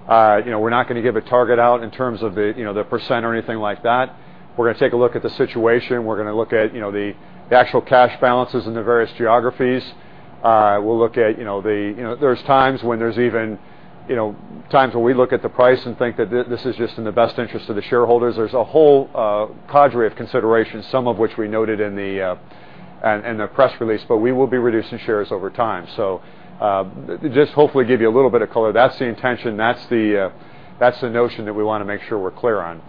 We're not going to give a target out in terms of the percent or anything like that. We're going to take a look at the situation. We're going to look at the actual cash balances in the various geographies. Times when we look at the price and think that this is just in the best interest of the shareholders. There's a whole cadre of considerations, some of which we noted in the press release, but we will be reducing shares over time. Just hopefully give you a little bit of color. That's the intention. That's the notion that we want to make sure we're clear on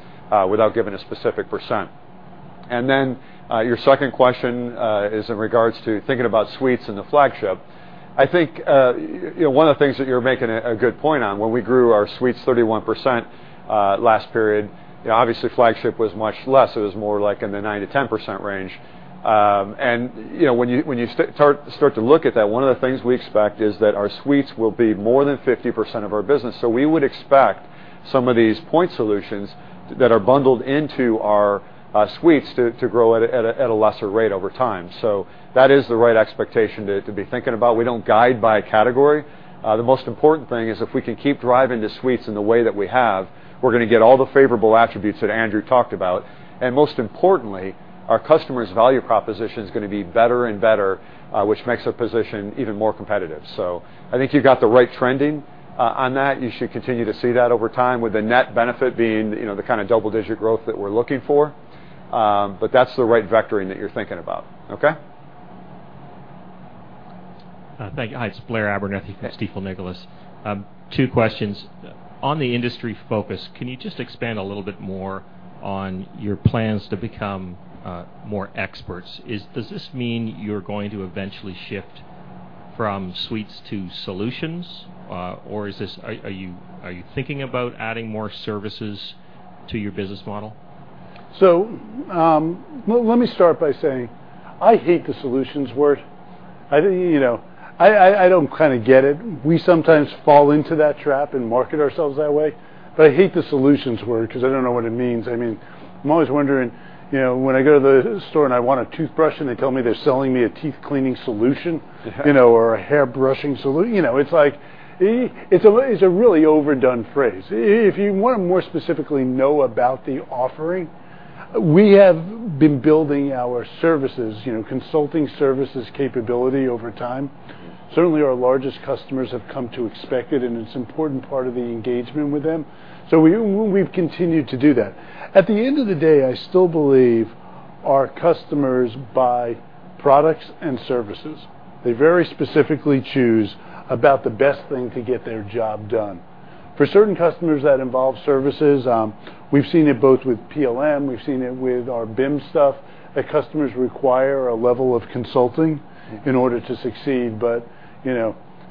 without giving a specific percent. Your second question is in regards to thinking about suites and the flagship. I think one of the things that you're making a good point on, when we grew our suites 31% last period, obviously, flagship was much less. It was more like in the 9%-10% range. When you start to look at that, one of the things we expect is that our suites will be more than 50% of our business. We would expect some of these point solutions that are bundled into our suites to grow at a lesser rate over time. That is the right expectation to be thinking about. We don't guide by category. The most important thing is if we can keep driving the suites in the way that we have, we're going to get all the favorable attributes that Andrew talked about. Most importantly, our customer's value proposition is going to be better and better, which makes our position even more competitive. I think you've got the right trending on that. You should continue to see that over time, with the net benefit being the kind of double-digit growth that we're looking for. That's the right vectoring that you're thinking about. Okay? Thank you. Hi, it's Blair Abernethy at Stifel Nicolaus. Two questions. On the industry focus, can you just expand a little bit more on your plans to become more experts? Does this mean you're going to eventually shift from suites to solutions? Are you thinking about adding more services to your business model? Let me start by saying, I hate the solutions word. I don't get it. We sometimes fall into that trap and market ourselves that way. I hate the solutions word because I don't know what it means. I'm always wondering, when I go to the store and I want a toothbrush, and they tell me they're selling me a teeth-cleaning solution- Yeah or a hairbrushing solution. It's a really overdone phrase. If you want to more specifically know about the offering, we have been building our services, consulting services capability over time. Certainly, our largest customers have come to expect it, and it's an important part of the engagement with them. We've continued to do that. At the end of the day, I still believe our customers buy products and services. They very specifically choose about the best thing to get their job done. For certain customers, that involves services. We've seen it both with PLM, we've seen it with our BIM stuff, that customers require a level of consulting in order to succeed.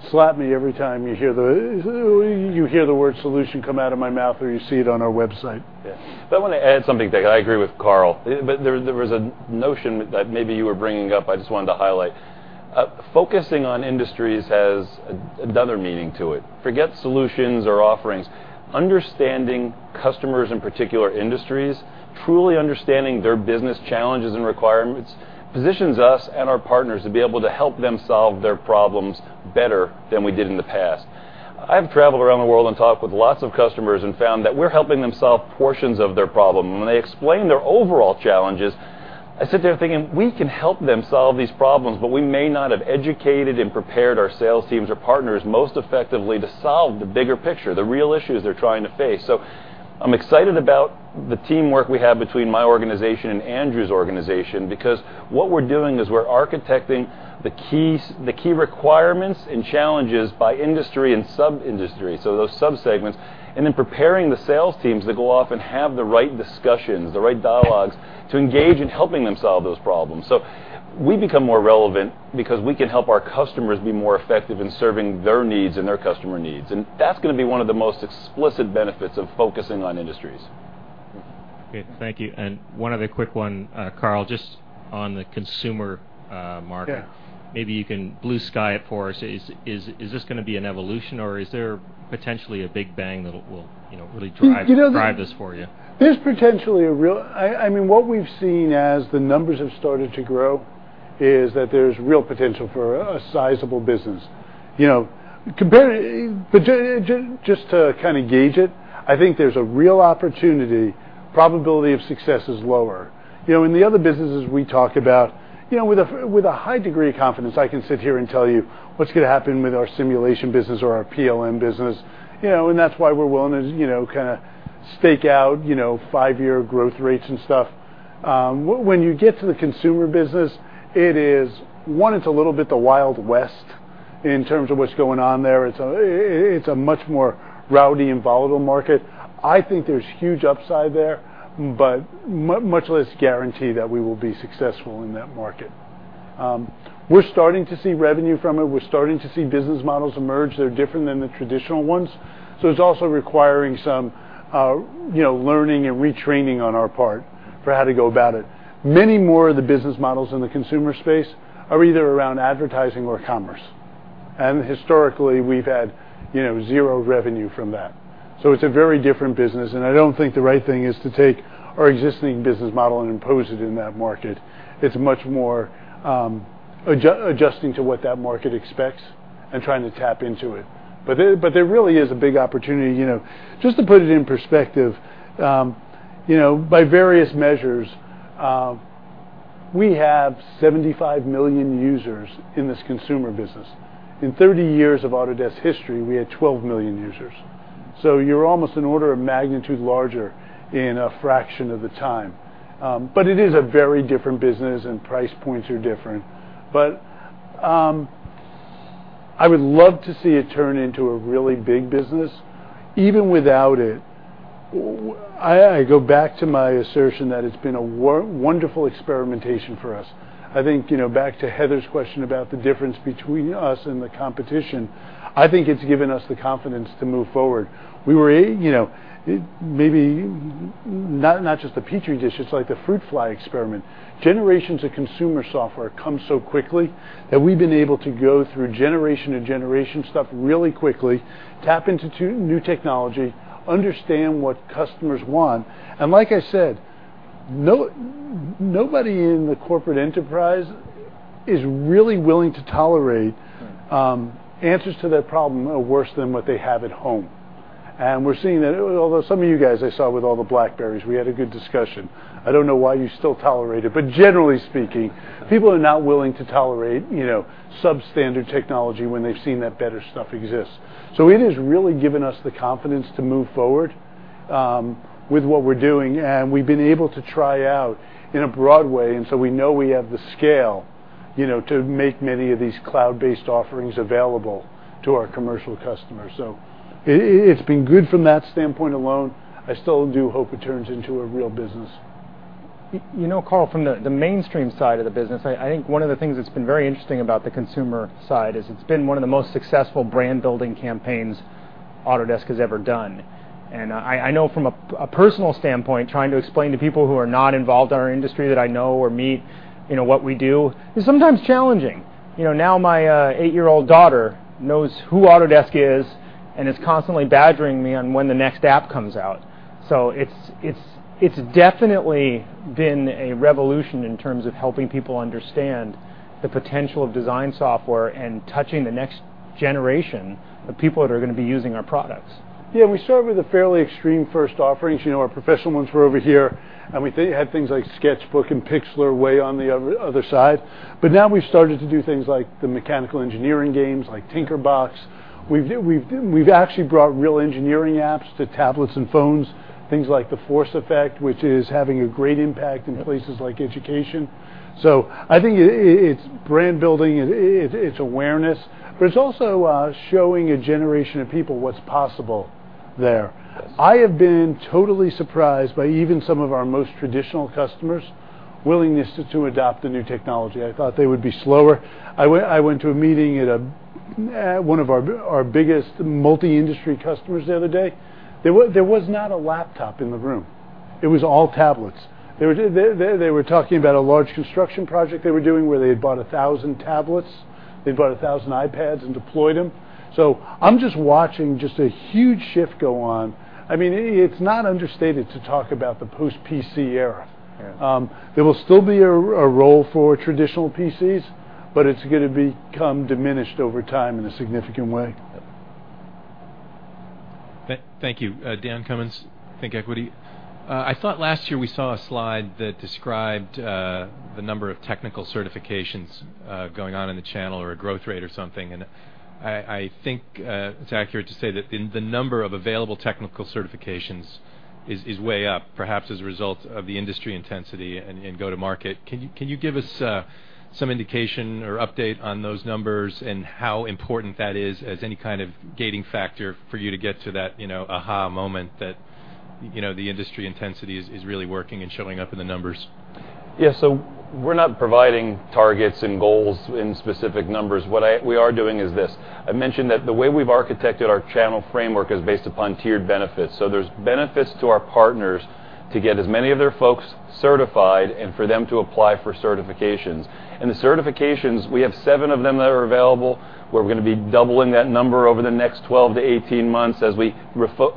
Slap me every time you hear the word solution come out of my mouth, or you see it on our website. Yeah. I want to add something there, because I agree with Carl. There was a notion that maybe you were bringing up, I just wanted to highlight. Focusing on industries has another meaning to it. Forget solutions or offerings. Understanding customers in particular industries, truly understanding their business challenges and requirements, positions us and our partners to be able to help them solve their problems better than we did in the past. I've traveled around the world and talked with lots of customers and found that we're helping them solve portions of their problem. When they explain their overall challenges, I sit there thinking, we can help them solve these problems, but we may not have educated and prepared our sales teams or partners most effectively to solve the bigger picture, the real issues they're trying to face. I'm excited about the teamwork we have between my organization and Andrew's organization, because what we're doing is we're architecting the key requirements and challenges by industry and sub-industry, so those subsegments, and then preparing the sales teams that go off and have the right discussions, the right dialogues to engage in helping them solve those problems. We become more relevant because we can help our customers be more effective in serving their needs and their customer needs. That's going to be one of the most explicit benefits of focusing on industries. Okay. Thank you. One other quick one, Carl, just on the consumer market. Yeah. Maybe you can blue sky it for us. Is this going to be an evolution, or is there potentially a big bang that will really drive this for you? What we've seen as the numbers have started to grow is that there's real potential for a sizable business. Just to gauge it, I think there's a real opportunity. Probability of success is lower. In the other businesses we talk about, with a high degree of confidence, I can sit here and tell you what's going to happen with our simulation business or our PLM business. That's why we're willing to stake out five-year growth rates and stuff. When you get to the consumer business, one, it's a little bit the Wild West in terms of what's going on there. It's a much more rowdy and volatile market. I think there's huge upside there, but much less guarantee that we will be successful in that market. We're starting to see revenue from it. We're starting to see business models emerge that are different than the traditional ones. It's also requiring some learning and retraining on our part for how to go about it. Many more of the business models in the consumer space are either around advertising or commerce. Historically, we've had 0 revenue from that. It's a very different business, and I don't think the right thing is to take our existing business model and impose it in that market. It's much more adjusting to what that market expects and trying to tap into it. There really is a big opportunity. Just to put it in perspective, by various measures, we have 75 million users in this consumer business. In 30 years of Autodesk history, we had 12 million users. You're almost an order of magnitude larger in a fraction of the time. It is a very different business, and price points are different. I would love to see it turn into a really big business. Even without it, I go back to my assertion that it's been a wonderful experimentation for us. I think back to Heather's question about the difference between us and the competition. I think it's given us the confidence to move forward. Maybe not just the Petri dish, it's like the fruit fly experiment. Generations of consumer software come so quickly that we've been able to go through generation to generation stuff really quickly, tap into new technology, understand what customers want, and like I said, nobody in the corporate enterprise is really willing to tolerate answers to their problem worse than what they have at home. We're seeing that, although some of you guys, I saw with all the BlackBerrys, we had a good discussion. I don't know why you still tolerate it. Generally speaking, people are not willing to tolerate substandard technology when they've seen that better stuff exists. It has really given us the confidence to move forward with what we're doing, and we've been able to try out in a broad way. We know we have the scale to make many of these cloud-based offerings available to our commercial customers. It's been good from that standpoint alone. I still do hope it turns into a real business. Carl, from the mainstream side of the business, I think one of the things that's been very interesting about the consumer side is it's been one of the most successful brand-building campaigns Autodesk has ever done. I know from a personal standpoint, trying to explain to people who are not involved in our industry that I know or meet, what we do, is sometimes challenging. Now my eight-year-old daughter knows who Autodesk is and is constantly badgering me on when the next app comes out. It's definitely been a revolution in terms of helping people understand the potential of design software and touching the next generation of people that are going to be using our products. We started with a fairly extreme first offerings. Our professional ones were over here, and we had things like SketchBook and Pixlr way on the other side. Now we've started to do things like the mechanical engineering games, like TinkerBox. We've actually brought real engineering apps to tablets and phones, things like the ForceEffect, which is having a great impact in places like education. I think it's brand building, it's awareness, but it's also showing a generation of people what's possible there. Yes. I have been totally surprised by even some of our most traditional customers' willingness to adopt the new technology. I thought they would be slower. I went to a meeting at one of our biggest multi-industry customers the other day. There was not a laptop in the room. It was all tablets. They were talking about a large construction project they were doing where they had bought 1,000 tablets. They'd bought 1,000 iPads and deployed them. I'm just watching just a huge shift go on. It's not understated to talk about the post-PC era. Yeah. There will still be a role for traditional PCs, it's going to become diminished over time in a significant way. Yeah. Thank you. Dan Cummins, ThinkEquity. I thought last year we saw a slide that described the number of technical certifications going on in the channel or a growth rate or something. I think it's accurate to say that the number of available technical certifications is way up, perhaps as a result of the industry intensity and go to market. Can you give us some indication or update on those numbers and how important that is as any kind of gating factor for you to get to that aha moment that the industry intensity is really working and showing up in the numbers? Yeah. We're not providing targets and goals in specific numbers. What we are doing is this. I mentioned that the way we've architected our channel framework is based upon tiered benefits. There's benefits to our partners to get as many of their folks certified and for them to apply for certifications. The certifications, we have seven of them that are available. We're going to be doubling that number over the next 12 to 18 months as we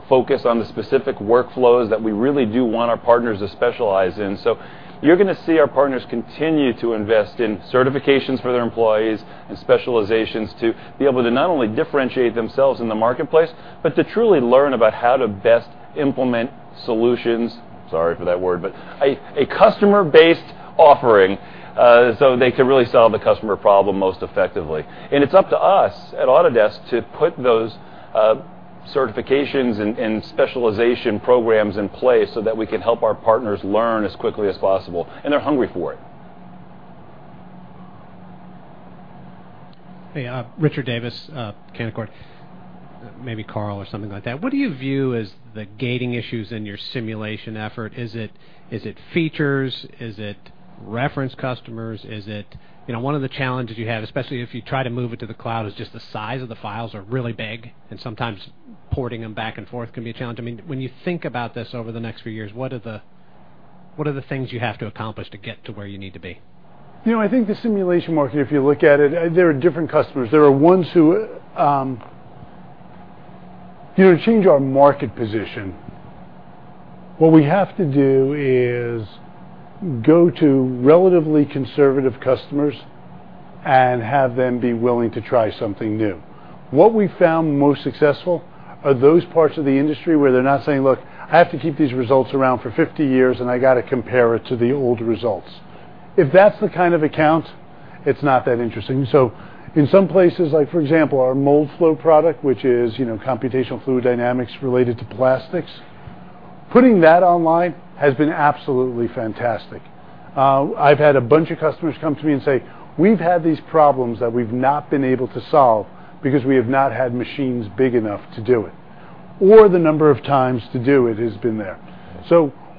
focus on the specific workflows that we really do want our partners to specialize in. You're going to see our partners continue to invest in certifications for their employees and specializations to be able to not only differentiate themselves in the marketplace, but to truly learn about how to best implement solutions. Sorry for that word, a customer-based offering, they can really solve the customer problem most effectively. It's up to us at Autodesk to put those certifications and specialization programs in place so that we can help our partners learn as quickly as possible, they're hungry for it. Hey, Richard Davis, Canaccord. Maybe Carl or something like that. What do you view as the gating issues in your simulation effort? Is it features? Is it reference customers? Is it one of the challenges you have, especially if you try to move it to the cloud, is just the size of the files are really big and sometimes porting them back and forth can be a challenge? When you think about this over the next few years, what are the things you have to accomplish to get to where you need to be? I think the simulation market, if you look at it, there are different customers. To change our market position, what we have to do is go to relatively conservative customers and have them be willing to try something new. What we found most successful are those parts of the industry where they're not saying, "Look, I have to keep these results around for 50 years, and I got to compare it to the old results." If that's the kind of account, it's not that interesting. In some places, like for example, our Moldflow product, which is computational fluid dynamics related to plastics, putting that online has been absolutely fantastic. I've had a bunch of customers come to me and say, "We've had these problems that we've not been able to solve because we have not had machines big enough to do it, or the number of times to do it has been there."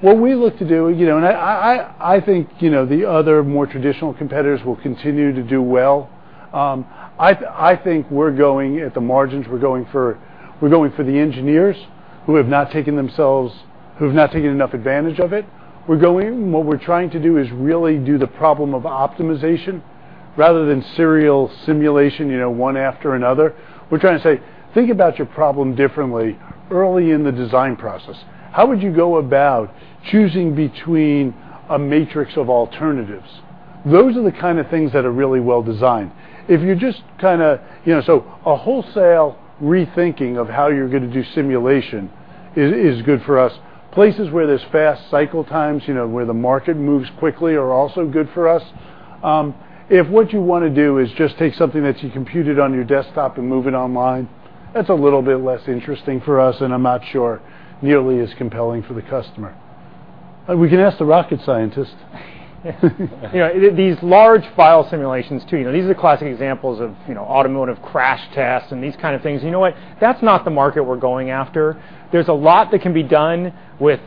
What we look to do, I think the other more traditional competitors will continue to do well. I think at the margins, we're going for the engineers who have not taken enough advantage of it. What we're trying to do is really do the problem of optimization rather than serial simulation, one after another. We're trying to say, think about your problem differently early in the design process. How would you go about choosing between a matrix of alternatives? Those are the kind of things that are really well-designed. A wholesale rethinking of how you're going to do simulation is good for us. Places where there's fast cycle times, where the market moves quickly, are also good for us. If what you want to do is just take something that you computed on your desktop and move it online, that's a little bit less interesting for us, and I'm not sure nearly as compelling for the customer. We can ask the rocket scientist These large file simulations too, these are classic examples of automotive crash tests and these kind of things. You know what? That's not the market we're going after. There's a lot that can be done with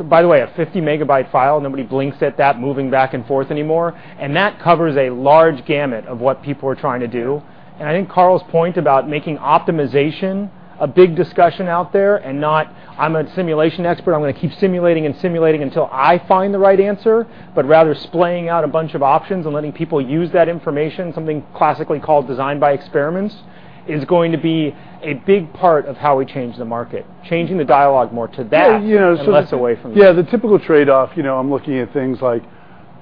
By the way, a 50 megabyte file, nobody blinks at that moving back and forth anymore, and that covers a large gamut of what people are trying to do. I think Carl's point about making optimization a big discussion out there and not, "I'm a simulation expert, I'm going to keep simulating and simulating until I find the right answer," but rather splaying out a bunch of options and letting people use that information, something classically called design by experiments, is going to be a big part of how we change the market. Changing the dialogue more to that- Yeah and less away from- Yeah, the typical trade-off, I'm looking at things like,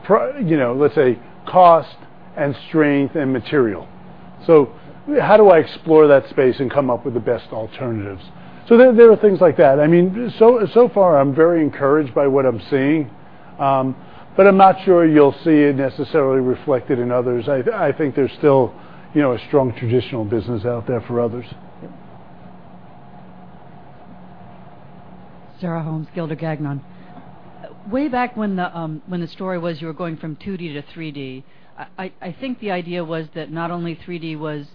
let's say cost and strength and material. How do I explore that space and come up with the best alternatives? There are things like that. So far I'm very encouraged by what I'm seeing, but I'm not sure you'll see it necessarily reflected in others. I think there's still a strong traditional business out there for others. Yeah. Sarah Holmes, Gilder Gagnon. Way back when the story was you were going from 2D to 3D, I think the idea was that not only 3D was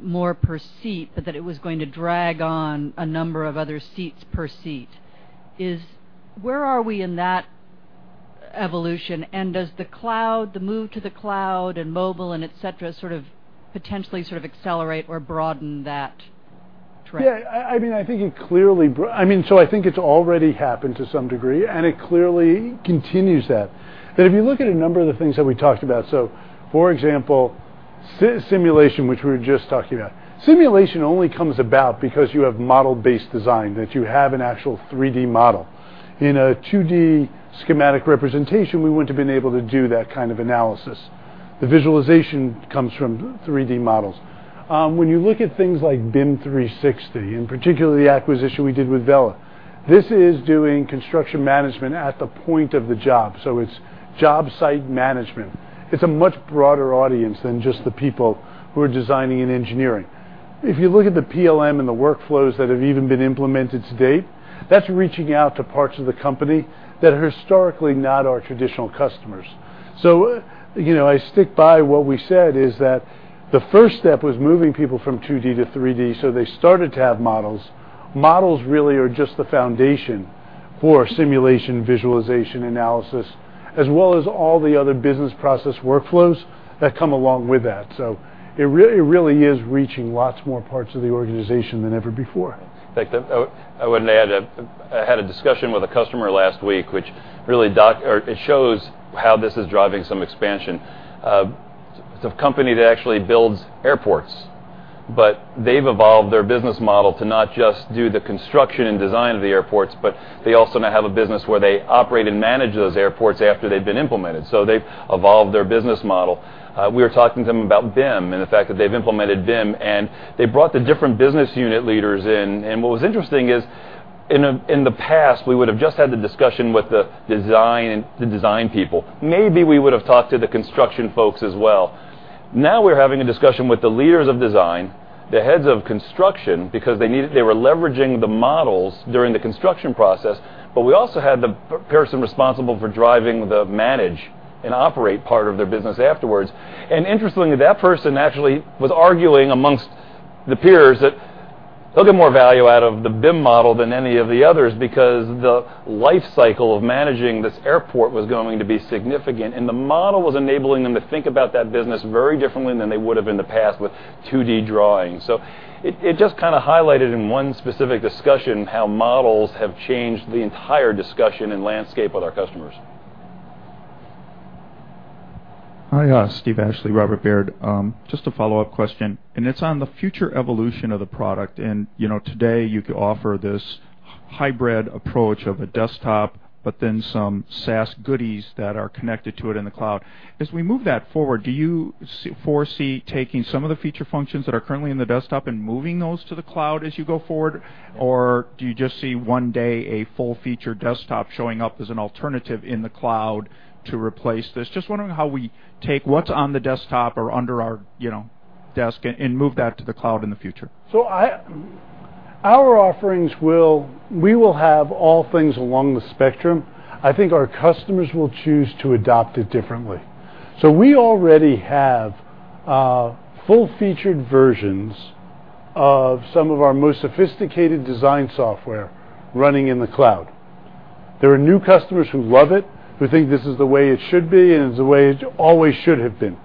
more per seat, but that it was going to drag on a number of other seats per seat. Does the move to the cloud and mobile and et cetera sort of potentially accelerate or broaden that trend? I think it's already happened to some degree, and it clearly continues that. If you look at a number of the things that we talked about, for example, simulation, which we were just talking about. Simulation only comes about because you have model-based design, that you have an actual 3D model. In a 2D schematic representation, we wouldn't have been able to do that kind of analysis. The visualization comes from 3D models. When you look at things like BIM 360, and particularly the acquisition we did with Vela, this is doing construction management at the point of the job, so it's job site management. It's a much broader audience than just the people who are designing and engineering. If you look at the PLM and the workflows that have even been implemented to date, that's reaching out to parts of the company that are historically not our traditional customers. I stick by what we said is that the first step was moving people from 2D to 3D, so they started to have models. Models really are just the foundation for simulation visualization analysis, as well as all the other business process workflows that come along with that. It really is reaching lots more parts of the organization than ever before. In fact, I would add, I had a discussion with a customer last week, which really shows how this is driving some expansion. It's a company that actually builds airports, but they've evolved their business model to not just do the construction and design of the airports, but they also now have a business where they operate and manage those airports after they've been implemented. They've evolved their business model. We were talking to them about BIM and the fact that they've implemented BIM, and they brought the different business unit leaders in. What was interesting is, in the past, we would've just had the discussion with the design people. Maybe we would've talked to the construction folks as well. Now we're having a discussion with the leaders of design, the heads of construction, because they were leveraging the models during the construction process. We also had the person responsible for driving the manage and operate part of their business afterwards. Interestingly, that person actually was arguing amongst the peers that he'll get more value out of the BIM model than any of the others because the life cycle of managing this airport was going to be significant, and the model was enabling them to think about that business very differently than they would've in the past with 2D drawings. It just kind of highlighted in one specific discussion how models have changed the entire discussion and landscape with our customers. Hi, Steve Ashley, Robert W. Baird & Co. Just a follow-up question, and it's on the future evolution of the product. Today you offer this hybrid approach of a desktop, but then some SaaS goodies that are connected to it in the cloud. As we move that forward, do you foresee taking some of the feature functions that are currently in the desktop and moving those to the cloud as you go forward? Do you just see one day a full-featured desktop showing up as an alternative in the cloud to replace this? Just wondering how we take what's on the desktop or under our desk and move that to the cloud in the future. We will have all things along the spectrum. I think our customers will choose to adopt it differently. We already have full-featured versions of some of our most sophisticated design software running in the cloud. There are new customers who love it, who think this is the way it should be, and it's the way it always should have been.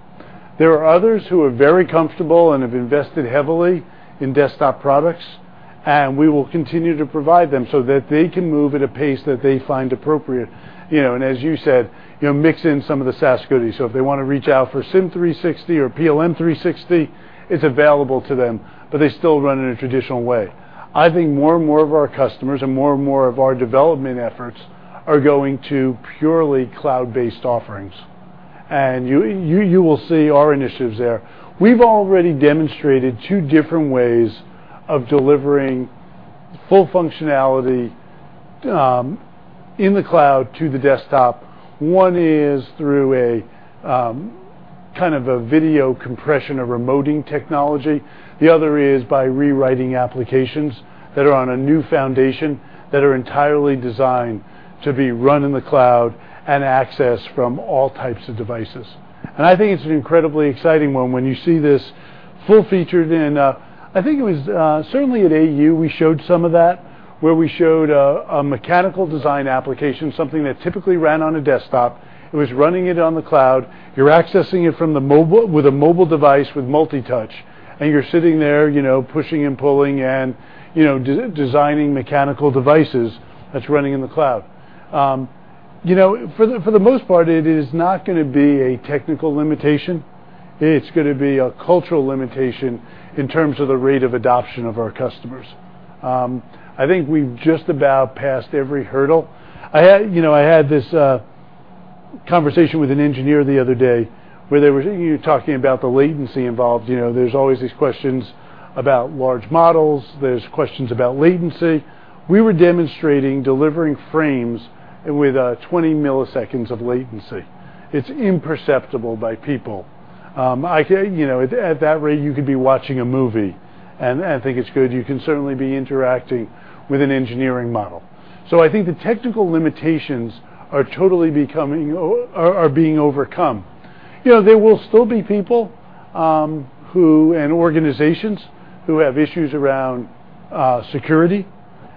There are others who are very comfortable and have invested heavily in desktop products, and we will continue to provide them so that they can move at a pace that they find appropriate. As you said, mix in some of the SaaS goodies. If they want to reach out for SIM 360 or PLM 360, it's available to them, but they still run in a traditional way. I think more and more of our customers and more and more of our development efforts are going to purely cloud-based offerings, you will see our initiatives there. We've already demonstrated two different ways of delivering full functionality in the cloud to the desktop. One is through a Kind of a video compression, a remoting technology. The other is by rewriting applications that are on a new foundation that are entirely designed to be run in the cloud and accessed from all types of devices. I think it's an incredibly exciting one when you see this full-featured. I think it was certainly at AU, we showed some of that, where we showed a mechanical design application, something that typically ran on a desktop. It was running it on the cloud. You're accessing it with a mobile device with multi-touch, and you're sitting there pushing and pulling and designing mechanical devices that's running in the cloud. For the most part, it is not going to be a technical limitation. It's going to be a cultural limitation in terms of the rate of adoption of our customers. I think we've just about passed every hurdle. I had this conversation with an engineer the other day where they were talking about the latency involved. There's always these questions about large models. There's questions about latency. We were demonstrating delivering frames with 20 milliseconds of latency. It's imperceptible by people. At that rate, you could be watching a movie, and I think it's good. You can certainly be interacting with an engineering model. I think the technical limitations are being overcome. There will still be people and organizations who have issues around security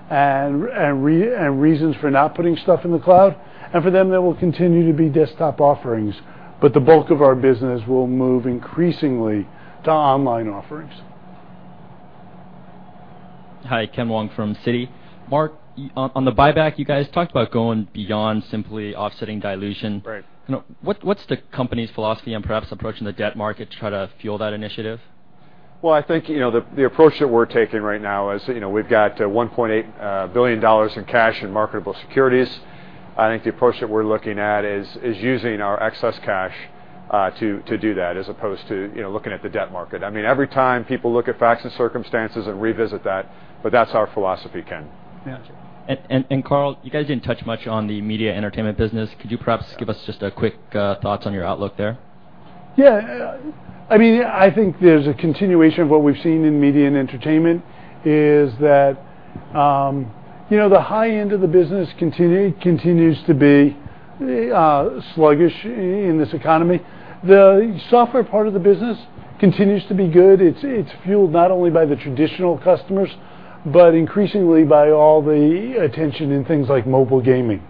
and reasons for not putting stuff in the cloud. For them, there will continue to be desktop offerings, but the bulk of our business will move increasingly to online offerings. Hi, Ken Wong from Citi. Mark, on the buyback, you guys talked about going beyond simply offsetting dilution. Right. What's the company's philosophy on perhaps approaching the debt market to try to fuel that initiative? Well, I think, the approach that we're taking right now is we've got $1.8 billion in cash and marketable securities. I think the approach that we're looking at is using our excess cash to do that as opposed to looking at the debt market. Every time people look at facts and circumstances and revisit that, but that's our philosophy, Ken. Yeah. Carl, you guys didn't touch much on the media entertainment business. Could you perhaps give us just a quick thought on your outlook there? Yeah. I think there's a continuation of what we've seen in media and entertainment is that the high end of the business continues to be sluggish in this economy. The software part of the business continues to be good. It's fueled not only by the traditional customers, but increasingly by all the attention in things like mobile gaming.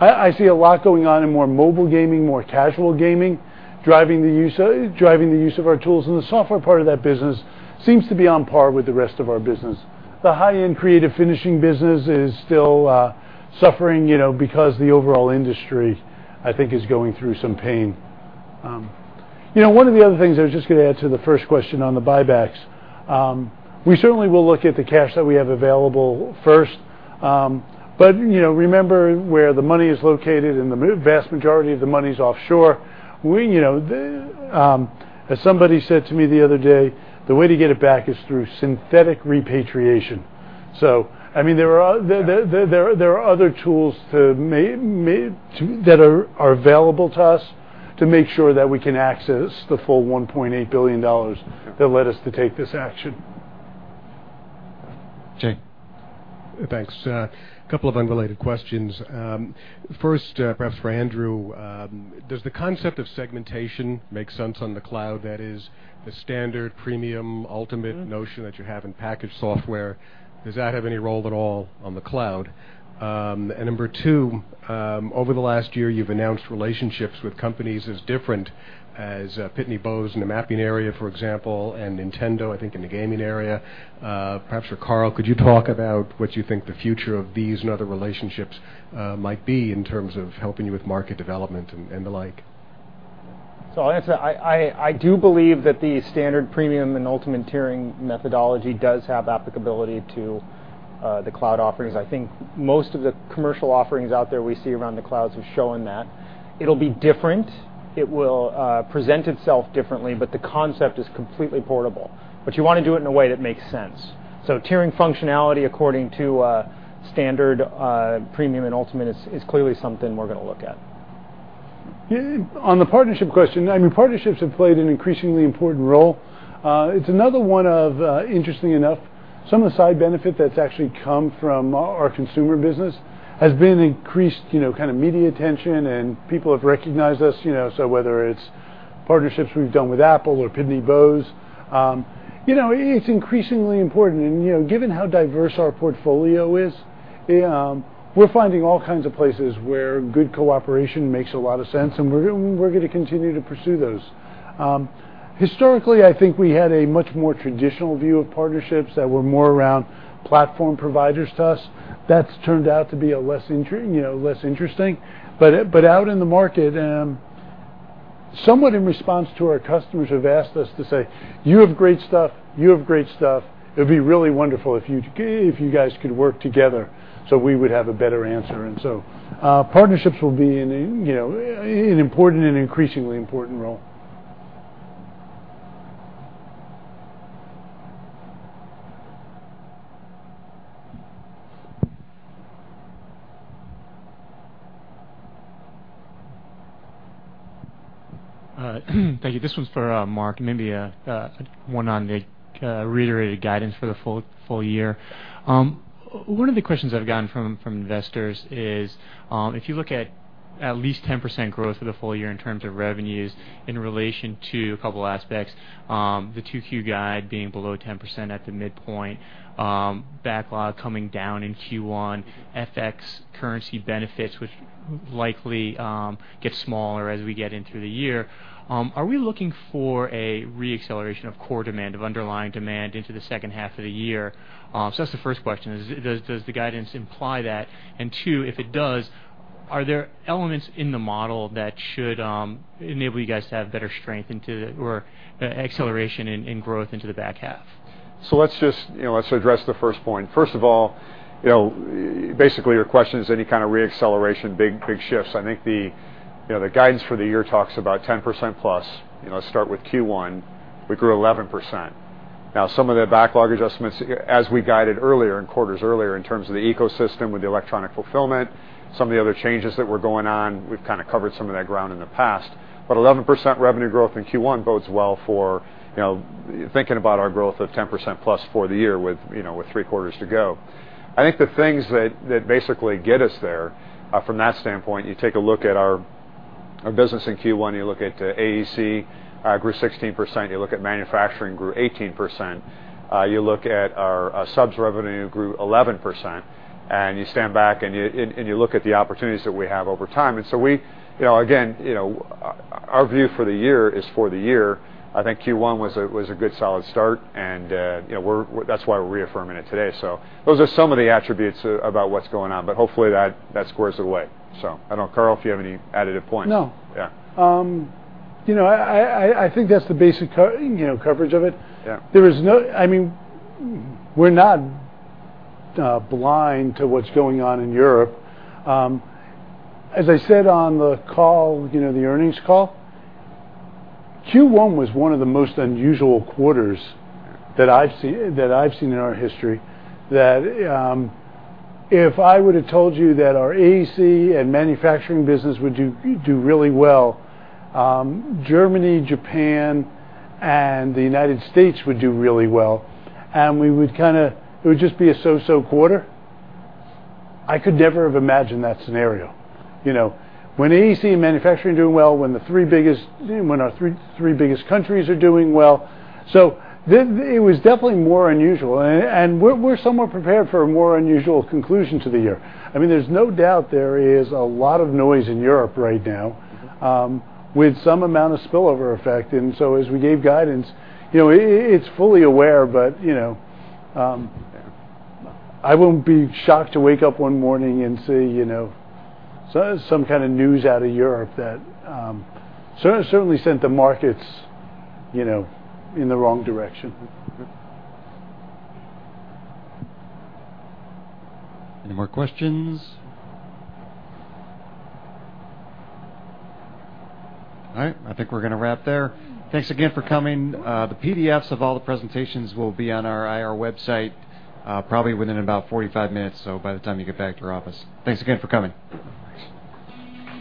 I see a lot going on in more mobile gaming, more casual gaming, driving the use of our tools, and the software part of that business seems to be on par with the rest of our business. The high-end creative finishing business is still suffering because the overall industry, I think, is going through some pain. One of the other things I was just going to add to the first question on the buybacks. We certainly will look at the cash that we have available first. Remember where the money is located, the vast majority of the money's offshore. As somebody said to me the other day, the way to get it back is through synthetic repatriation. There are other tools that are available to us to make sure that we can access the full $1.8 billion that led us to take this action. Jay. Thanks. A couple of unrelated questions. First, perhaps for Andrew, does the concept of segmentation make sense on the cloud? That is the standard premium ultimate notion that you have in packaged software. Does that have any role at all on the cloud? Number 2, over the last year, you've announced relationships with companies as different as Pitney Bowes in the mapping area, for example, and Nintendo, I think, in the gaming area. Perhaps for Carl, could you talk about what you think the future of these and other relationships might be in terms of helping you with market development and the like? I'll answer that. I do believe that the standard premium and ultimate tiering methodology does have applicability to the cloud offerings. I think most of the commercial offerings out there we see around the clouds are showing that. It'll be different. It will present itself differently, but the concept is completely portable. You want to do it in a way that makes sense. Tiering functionality according to standard premium and ultimate is clearly something we're going to look at. On the partnership question, partnerships have played an increasingly important role. It's another one of, interestingly enough, some of the side benefit that's actually come from our consumer business has been increased media attention, and people have recognized us. Whether it's partnerships we've done with Apple or Pitney Bowes. It's increasingly important, and given how diverse our portfolio is, we're finding all kinds of places where good cooperation makes a lot of sense, and we're going to continue to pursue those. Historically, I think we had a much more traditional view of partnerships that were more around platform providers to us. That's turned out to be less interesting. Out in the market, somewhat in response to our customers who have asked us to say, "You have great stuff. You have great stuff. It'd be really wonderful if you guys could work together so we would have a better answer." Partnerships will be in an important and increasingly important role. Thank you. This one's for Mark, maybe one on the reiterated guidance for the full year. One of the questions I've gotten from investors is, if you look at least 10% growth for the full year in terms of revenues in relation to a couple aspects, the 2Q guide being below 10% at the midpoint, backlog coming down in Q1, FX currency benefits, which likely get smaller as we get into the year. Are we looking for a re-acceleration of core demand, of underlying demand into the second half of the year? That's the first question is, does the guidance imply that? 2, if it does, are there elements in the model that should enable you guys to have better strength into or acceleration in growth into the back half? Let's address the first point. First of all, basically, your question is any kind of re-acceleration, big shifts. I think the guidance for the year talks about 10% plus. Start with Q1, we grew 11%. Some of the backlog adjustments as we guided earlier, in quarters earlier, in terms of the ecosystem with the electronic fulfillment, some of the other changes that were going on, we've kind of covered some of that ground in the past. 11% revenue growth in Q1 bodes well for thinking about our growth of 10% plus for the year with three quarters to go. I think the things that basically get us there, from that standpoint, you take a look at our business in Q1, you look at AEC, grew 16%. You look at manufacturing, grew 18%. You look at our subs revenue grew 11%, you stand back and you look at the opportunities that we have over time. Again, our view for the year is for the year. I think Q1 was a good solid start, that's why we're reaffirming it today. Those are some of the attributes about what's going on. Hopefully that squares it away. I don't know, Carl, if you have any additive points. No. Yeah. I think that's the basic coverage of it. Yeah. We're not blind to what's going on in Europe. As I said on the earnings call, Q1 was one of the most unusual quarters that I've seen in our history, that if I would've told you that our AEC and manufacturing business would do really well, Germany, Japan, and the U.S. would do really well, and it would just be a so-so quarter, I could never have imagined that scenario. When AEC and manufacturing are doing well, when our three biggest countries are doing well. It was definitely more unusual, and we're somewhat prepared for a more unusual conclusion to the year. There's no doubt there is a lot of noise in Europe right now. with some amount of spillover effect. As we gave guidance, it's fully aware. Yeah I won't be shocked to wake up one morning and see some kind of news out of Europe that certainly sent the markets in the wrong direction. Any more questions? All right, I think we're going to wrap there. Thanks again for coming. The PDFs of all the presentations will be on our IR website, probably within about 45 minutes, so by the time you get back to your office. Thanks again for coming. Thanks.